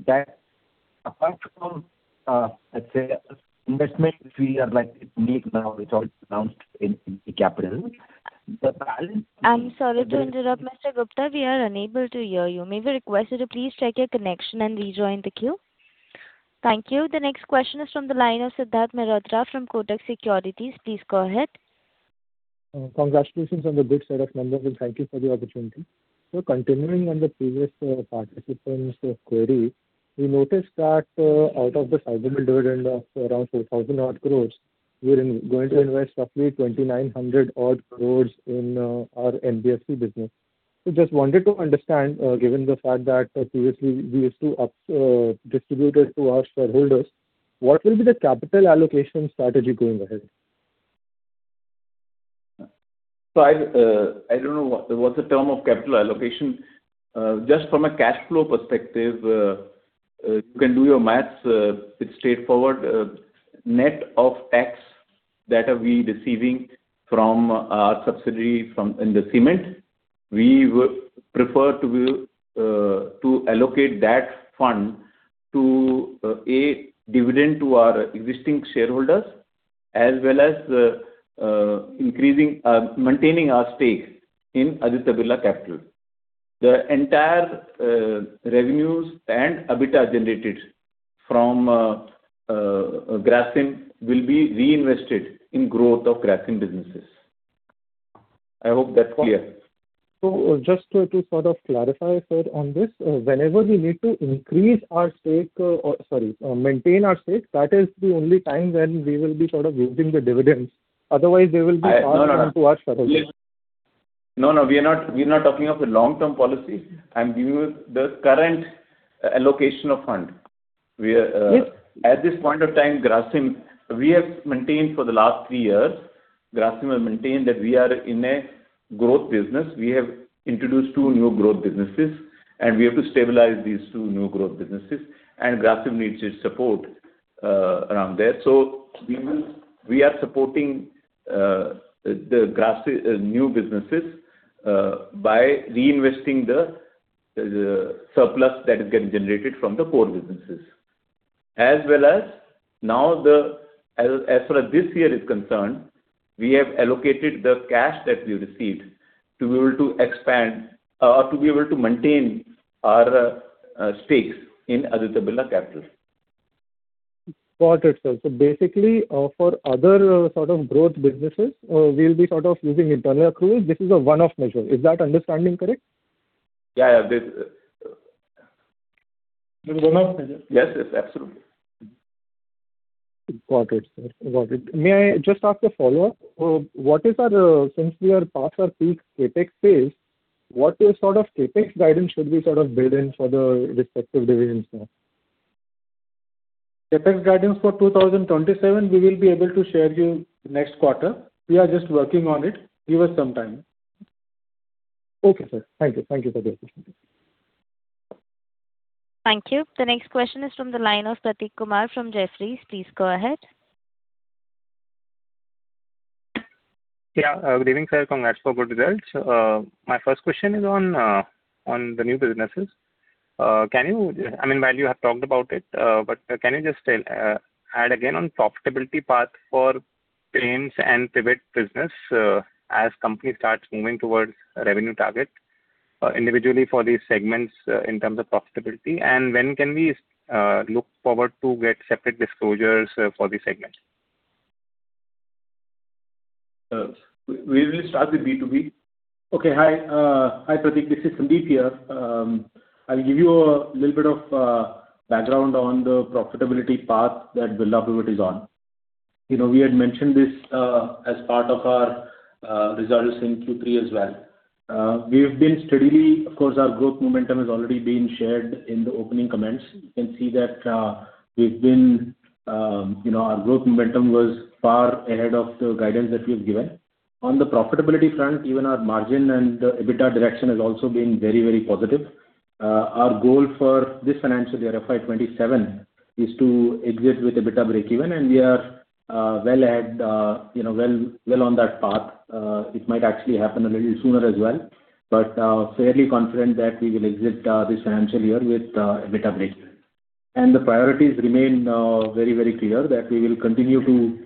that apart from, let's say, investment which we are making now, it's already announced in AB Capital. The balance- I'm sorry to interrupt, Mr. Gupta. We are unable to hear you. May we request you to please check your connection and rejoin the queue? Thank you. The next question is from the line of Siddharth Mehrotra from Kotak Securities. Please go ahead. Congratulations on the good set of numbers. Thank you for the opportunity. Continuing on the previous participant's query, we noticed that out of the shareholder dividend of around 4,000 odd crores, we are going to invest roughly 2,900 odd crores in our NBFC business. Just wanted to understand, given the fact that previously we used to distribute it to our shareholders, what will be the capital allocation strategy going ahead? I don't know what the term of capital allocation. Just from a cash flow perspective, you can do your math. It's straightforward. Net of tax that we're receiving from our subsidiary in the cement, we would prefer to allocate that fund to, one, dividend to our existing shareholders, as well as maintaining our stake in Aditya Birla Capital. The entire revenues and EBITDA generated from Grasim will be reinvested in growth of Grasim businesses. I hope that's clear. Just to clarify, sir, on this, whenever we need to maintain our stake, that is the only time when we will be using the dividends. Otherwise, they will be passed on to our shareholders. No, we are not talking of a long-term policy. I'm giving you the current allocation of fund. Yes. At this point of time, we have maintained for the last three years, Grasim has maintained that we are in a growth business. We have introduced two new growth businesses, we have to stabilize these two new growth businesses, Grasim needs its support around there. We are supporting the new businesses by reinvesting the surplus that is getting generated from the core businesses. As well as now, as for this year is concerned, we have allocated the cash that we received to be able to maintain our stakes in Aditya Birla Capital. Got it, sir. Basically, for other sort of growth businesses, we'll be sort of using internal accruals. This is a one-off measure. Is that understanding correct? Yeah. It's a one-off measure. Yes. Absolutely. Got it, sir. May I just ask a follow-up? Since we are past our peak CapEx phase, what is sort of CapEx guidance should we sort of build in for the respective divisions now? CapEx guidance for 2027, we will be able to share you next quarter. We are just working on it. Give us some time. Okay, sir. Thank you. Thank you for the opportunity. Thank you. The next question is from the line of Prateek Kumar from Jefferies. Please go ahead. Yeah. Good evening, sir. Congrats for good results. My first question is on the new businesses. While you have talked about it, but can you just add again on profitability path for Paints and Pivot business as company starts moving towards revenue target individually for these segments in terms of profitability? When can we look forward to get separate disclosures for these segments? We will start with B2B. Okay. Hi, Prateek. This is Sandeep here. I'll give you a little bit of background on the profitability path that Birla Pivot is on. We had mentioned this as part of our results in Q3 as well. Of course, our growth momentum has already been shared in the opening comments. You can see that our growth momentum was far ahead of the guidance that we have given. On the profitability front, even our margin and the EBITDA direction has also been very positive. Our goal for this financial year, FY 2027, is to exit with EBITDA breakeven. We are well on that path. It might actually happen a little sooner as well. Fairly confident that we will exit this financial year with EBITDA breakeven. The priorities remain very clear that we will continue to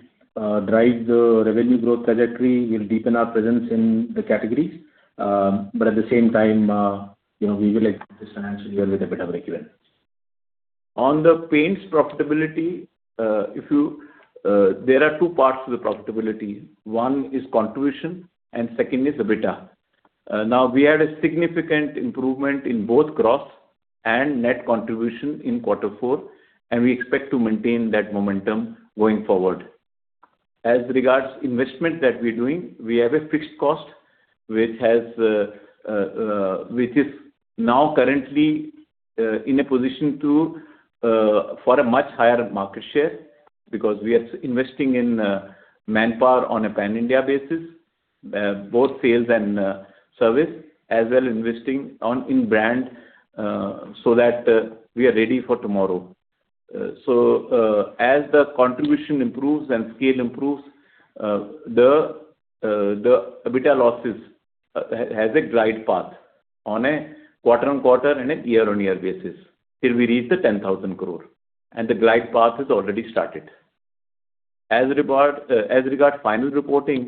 drive the revenue growth trajectory. We'll deepen our presence in the categories. At the same time, we will exit this financial year with EBITDA breakeven. On the paints profitability, there are 2 parts to the profitability. One is contribution, and second is EBITDA. We had a significant improvement in both gross and net contribution in quarter four, and we expect to maintain that momentum going forward. As regards investment that we're doing, we have a fixed cost, which is now currently in a position for a much higher market share, because we are investing in manpower on a pan-India basis, both sales and service, as well investing in brand so that we are ready for tomorrow. As the contribution improves and scale improves, the EBITDA losses has a glide path on a quarter-on-quarter and a year-on-year basis till we reach the 10,000 crore, and the glide path has already started. As regard final reporting,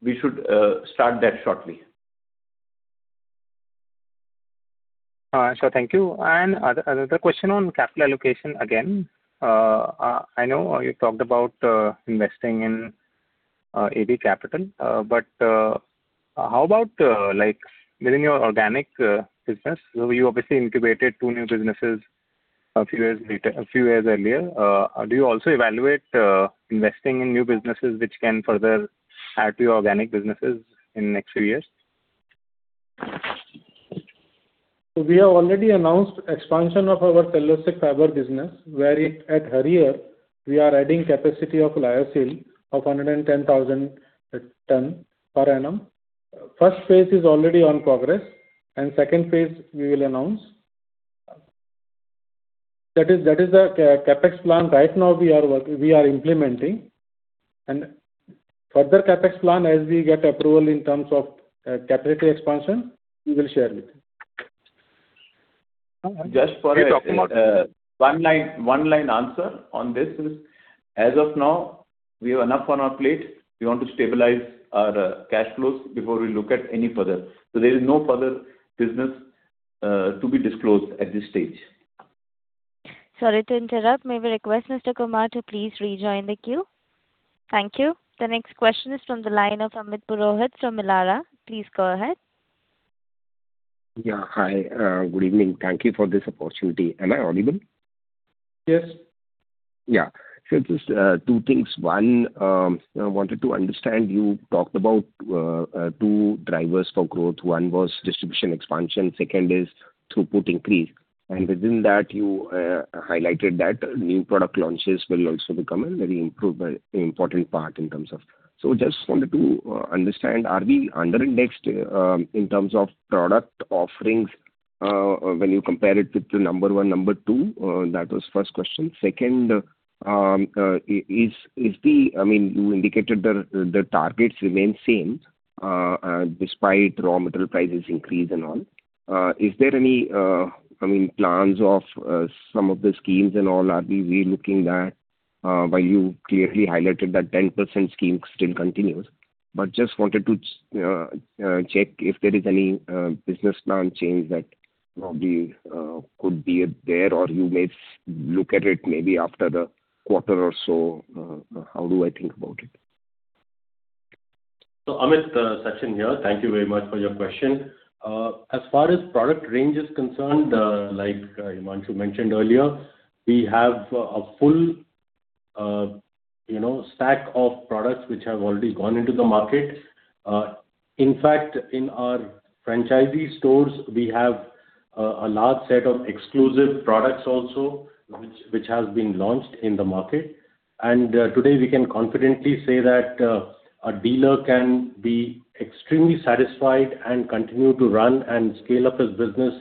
we should start that shortly. Sure. Thank you. Another question on capital allocation again. I know you talked about investing in AB Capital. How about within your organic business? You obviously incubated two new businesses a few years earlier. Do you also evaluate investing in new businesses which can further add to your organic businesses in next few years? We have already announced expansion of our Cellulosic Fibre business, where at Harihar, we are adding capacity of lyocell of 110,000 ton per annum. First phase is already on progress, and second phase we will announce. That is the CapEx plan right now we are implementing, and further CapEx plan as we get approval in terms of capacity expansion, we will share with you. Just for a one-line answer on this is, as of now, we have enough on our plate. We want to stabilize our cash flows before we look at any further. There is no further business to be disclosed at this stage. Sorry to interrupt. May we request Mr. Kumar to please rejoin the queue? Thank you. The next question is from the line of Amit Purohit from Elara. Please go ahead. Yeah. Hi, good evening. Thank you for this opportunity. Am I audible? Yes. Yeah. Sure. Just two things. One, I wanted to understand, you talked about two drivers for growth. One was distribution expansion, second is throughput increase. Within that, you highlighted that new product launches will also become a very important part. Just wanted to understand, are we under-indexed in terms of product offerings when you compare it with the number one, number two? That was first question. Second, you indicated the targets remain same despite raw material prices increase and all. Is there any plans of some of the schemes and all? Are we looking that while you clearly highlighted that 10% scheme still continues, just wanted to check if there is any business plan change that probably could be there, or you may look at it maybe after the quarter or so. How do I think about it? Amit, Sachin here. Thank you very much for your question. As far as product range is concerned, like Himanshu mentioned earlier, we have a full stack of products which have already gone into the market. In fact, in our franchisee stores, we have a large set of exclusive products also, which has been launched in the market. Today, we can confidently say that a dealer can be extremely satisfied and continue to run and scale up his business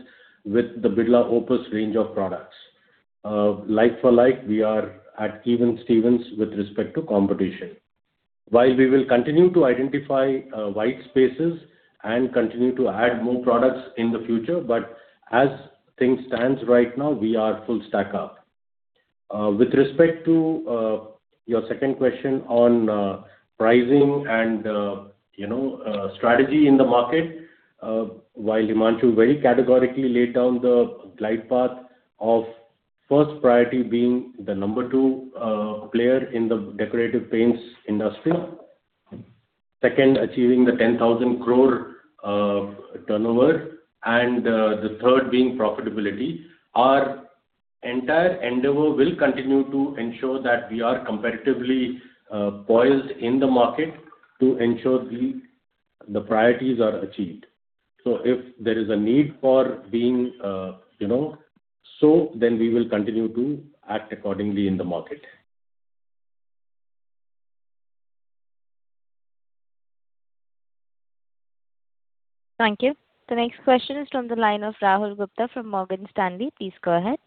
with the Birla Opus range of products. Like for like, we are at even Stevens with respect to competition. While we will continue to identify white spaces and continue to add more products in the future, but as things stand right now, we are full stack up. With respect to your second question on pricing and strategy in the market, while Himanshu very categorically laid down the glide path of first priority being the number two player in the decorative paints industry, second, achieving the 10,000 crore turnover, and the third being profitability, our entire endeavor will continue to ensure that we are competitively poised in the market to ensure the priorities are achieved. If there is a need for being so, then we will continue to act accordingly in the market. Thank you. The next question is from the line of Rahul Gupta from Morgan Stanley. Please go ahead.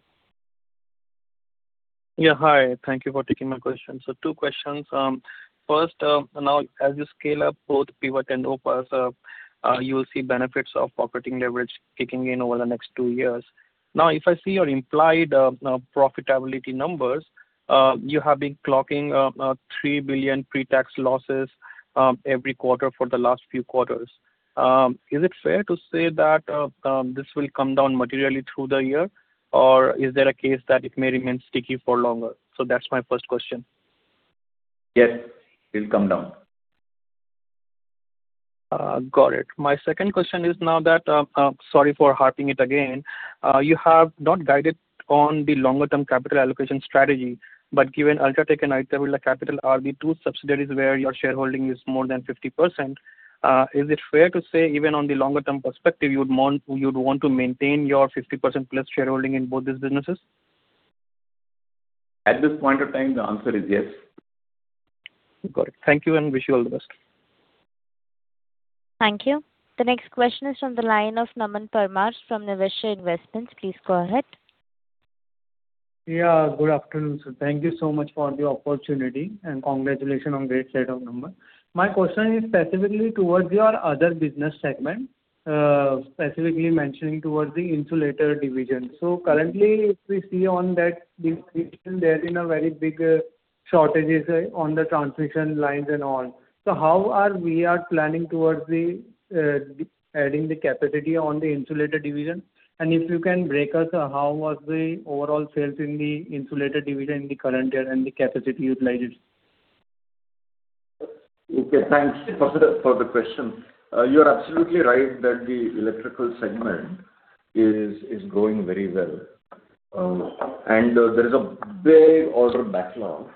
Yeah, hi. Thank you for taking my question. Two questions. First, now as you scale up both Pivot and Opus, you will see benefits of operating leverage kicking in over the next two years. Now, if I see your implied profitability numbers, you have been clocking 3 billion pre-tax losses every quarter for the last few quarters. Is it fair to say that this will come down materially through the year, or is there a case that it may remain sticky for longer? That's my first question. Yes. It'll come down. Got it. My second question is now that, sorry for harping it again, you have not guided on the longer-term capital allocation strategy, but given UltraTech and Aditya Birla Capital are the two subsidiaries where your shareholding is more than 50%, is it fair to say even on the longer-term perspective, you'd want to maintain your 50% plus shareholding in both these businesses? At this point of time, the answer is yes. Got it. Thank you and wish you all the best. Thank you. The next question is from the line of Naman Parmar from Niveshaay Investments. Please go ahead. Yeah, good afternoon, sir. Thank you so much for the opportunity, congratulations on great set of numbers. My question is specifically towards your other business segment, specifically mentioning towards the Insulator division. Currently, if we see on that division, there's been a very big shortages on the transmission lines and all. How are we planning towards adding the capacity on the Insulator division? If you can break us, how was the overall sales in the Insulator division in the current year and the capacity utilized? Okay, thanks for the question. You're absolutely right that the electrical segment is growing very well. There is a big order backlog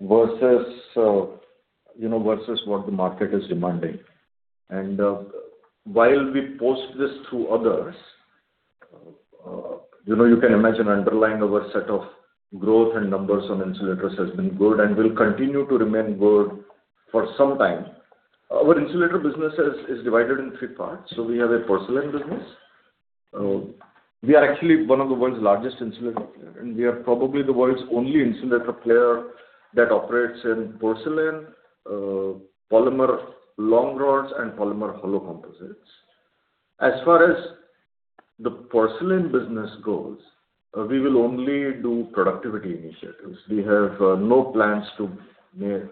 versus what the market is demanding. While we post this through others, you can imagine underlying our set of growth and numbers on insulators has been good and will continue to remain good for some time. Our insulator business is divided in three parts. We have a porcelain business. We are actually one of the world's largest insulator player, and we are probably the world's only insulator player that operates in porcelain, polymer long rods, and polymer hollow composites. As far as the porcelain business goes, we will only do productivity initiatives. We have no plans to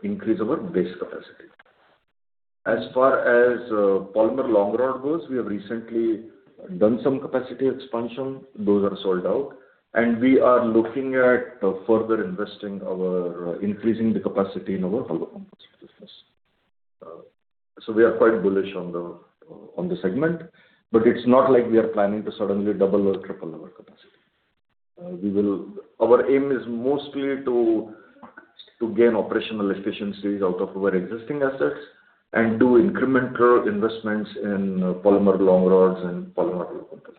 increase our base capacity. As far as polymer long rod goes, we have recently done some capacity expansion. Those are sold out. We are looking at further increasing the capacity in our hollow composites business. We are quite bullish on the segment, but it's not like we are planning to suddenly double or triple our capacity. Our aim is mostly to gain operational efficiencies out of our existing assets and do incremental investments in polymer long rods and polymer hollow composites.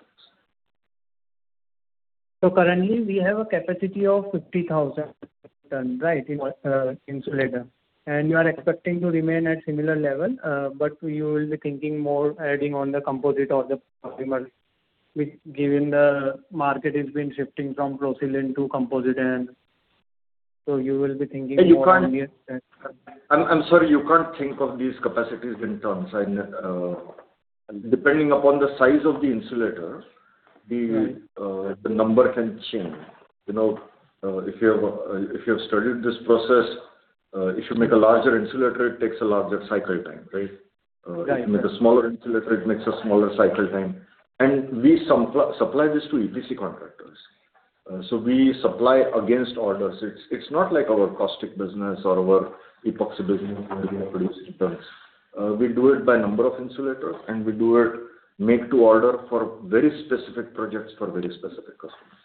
Currently, we have a capacity of 50,000 tons, right, in insulator, and you are expecting to remain at similar level, but you will be thinking more adding on the composite or the polymer. Given the market has been shifting from porcelain to composite end. I'm sorry, you can't think of these capacities in tons. Depending upon the size of the insulator Right the number can change. If you have studied this process, if you make a larger insulator, it takes a larger cycle time, right? Right. If you make a smaller insulator, it makes a smaller cycle time. We supply this to EPC contractors. We supply against orders. It is not like our caustic business or our epoxy business where we are producing tons. We do it by number of insulators, and we do it make to order for very specific projects for very specific customers.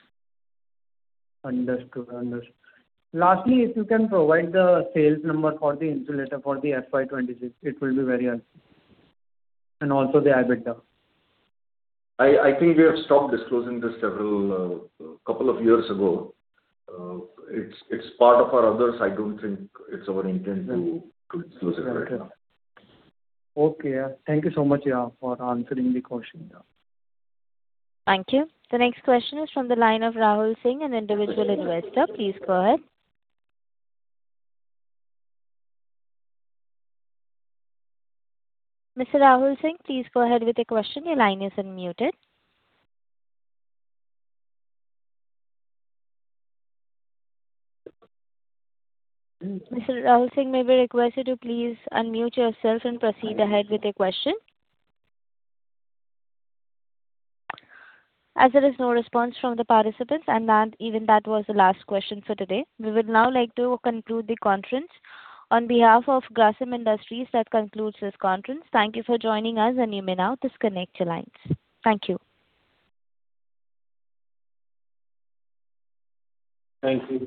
Understood. Lastly, if you can provide the sales number for the Insulator for the FY 2026, it will be very helpful. Also the EBITDA. I think we have stopped disclosing this couple of years ago. It's part of our others. I don't think it's our intent to disclose it right now. Okay. Thank you so much for answering the question. Thank you. The next question is from the line of Rahul Singh, an individual investor. Please go ahead. Mr. Rahul Singh, please go ahead with your question. Your line is unmuted. Mr. Rahul Singh, may be requested to please unmute yourself and proceed ahead with your question. As there is no response from the participants, and even that was the last question for today. We would now like to conclude the conference. On behalf of Grasim Industries, that concludes this conference. Thank you for joining us, and you may now disconnect your lines. Thank you. Thank you.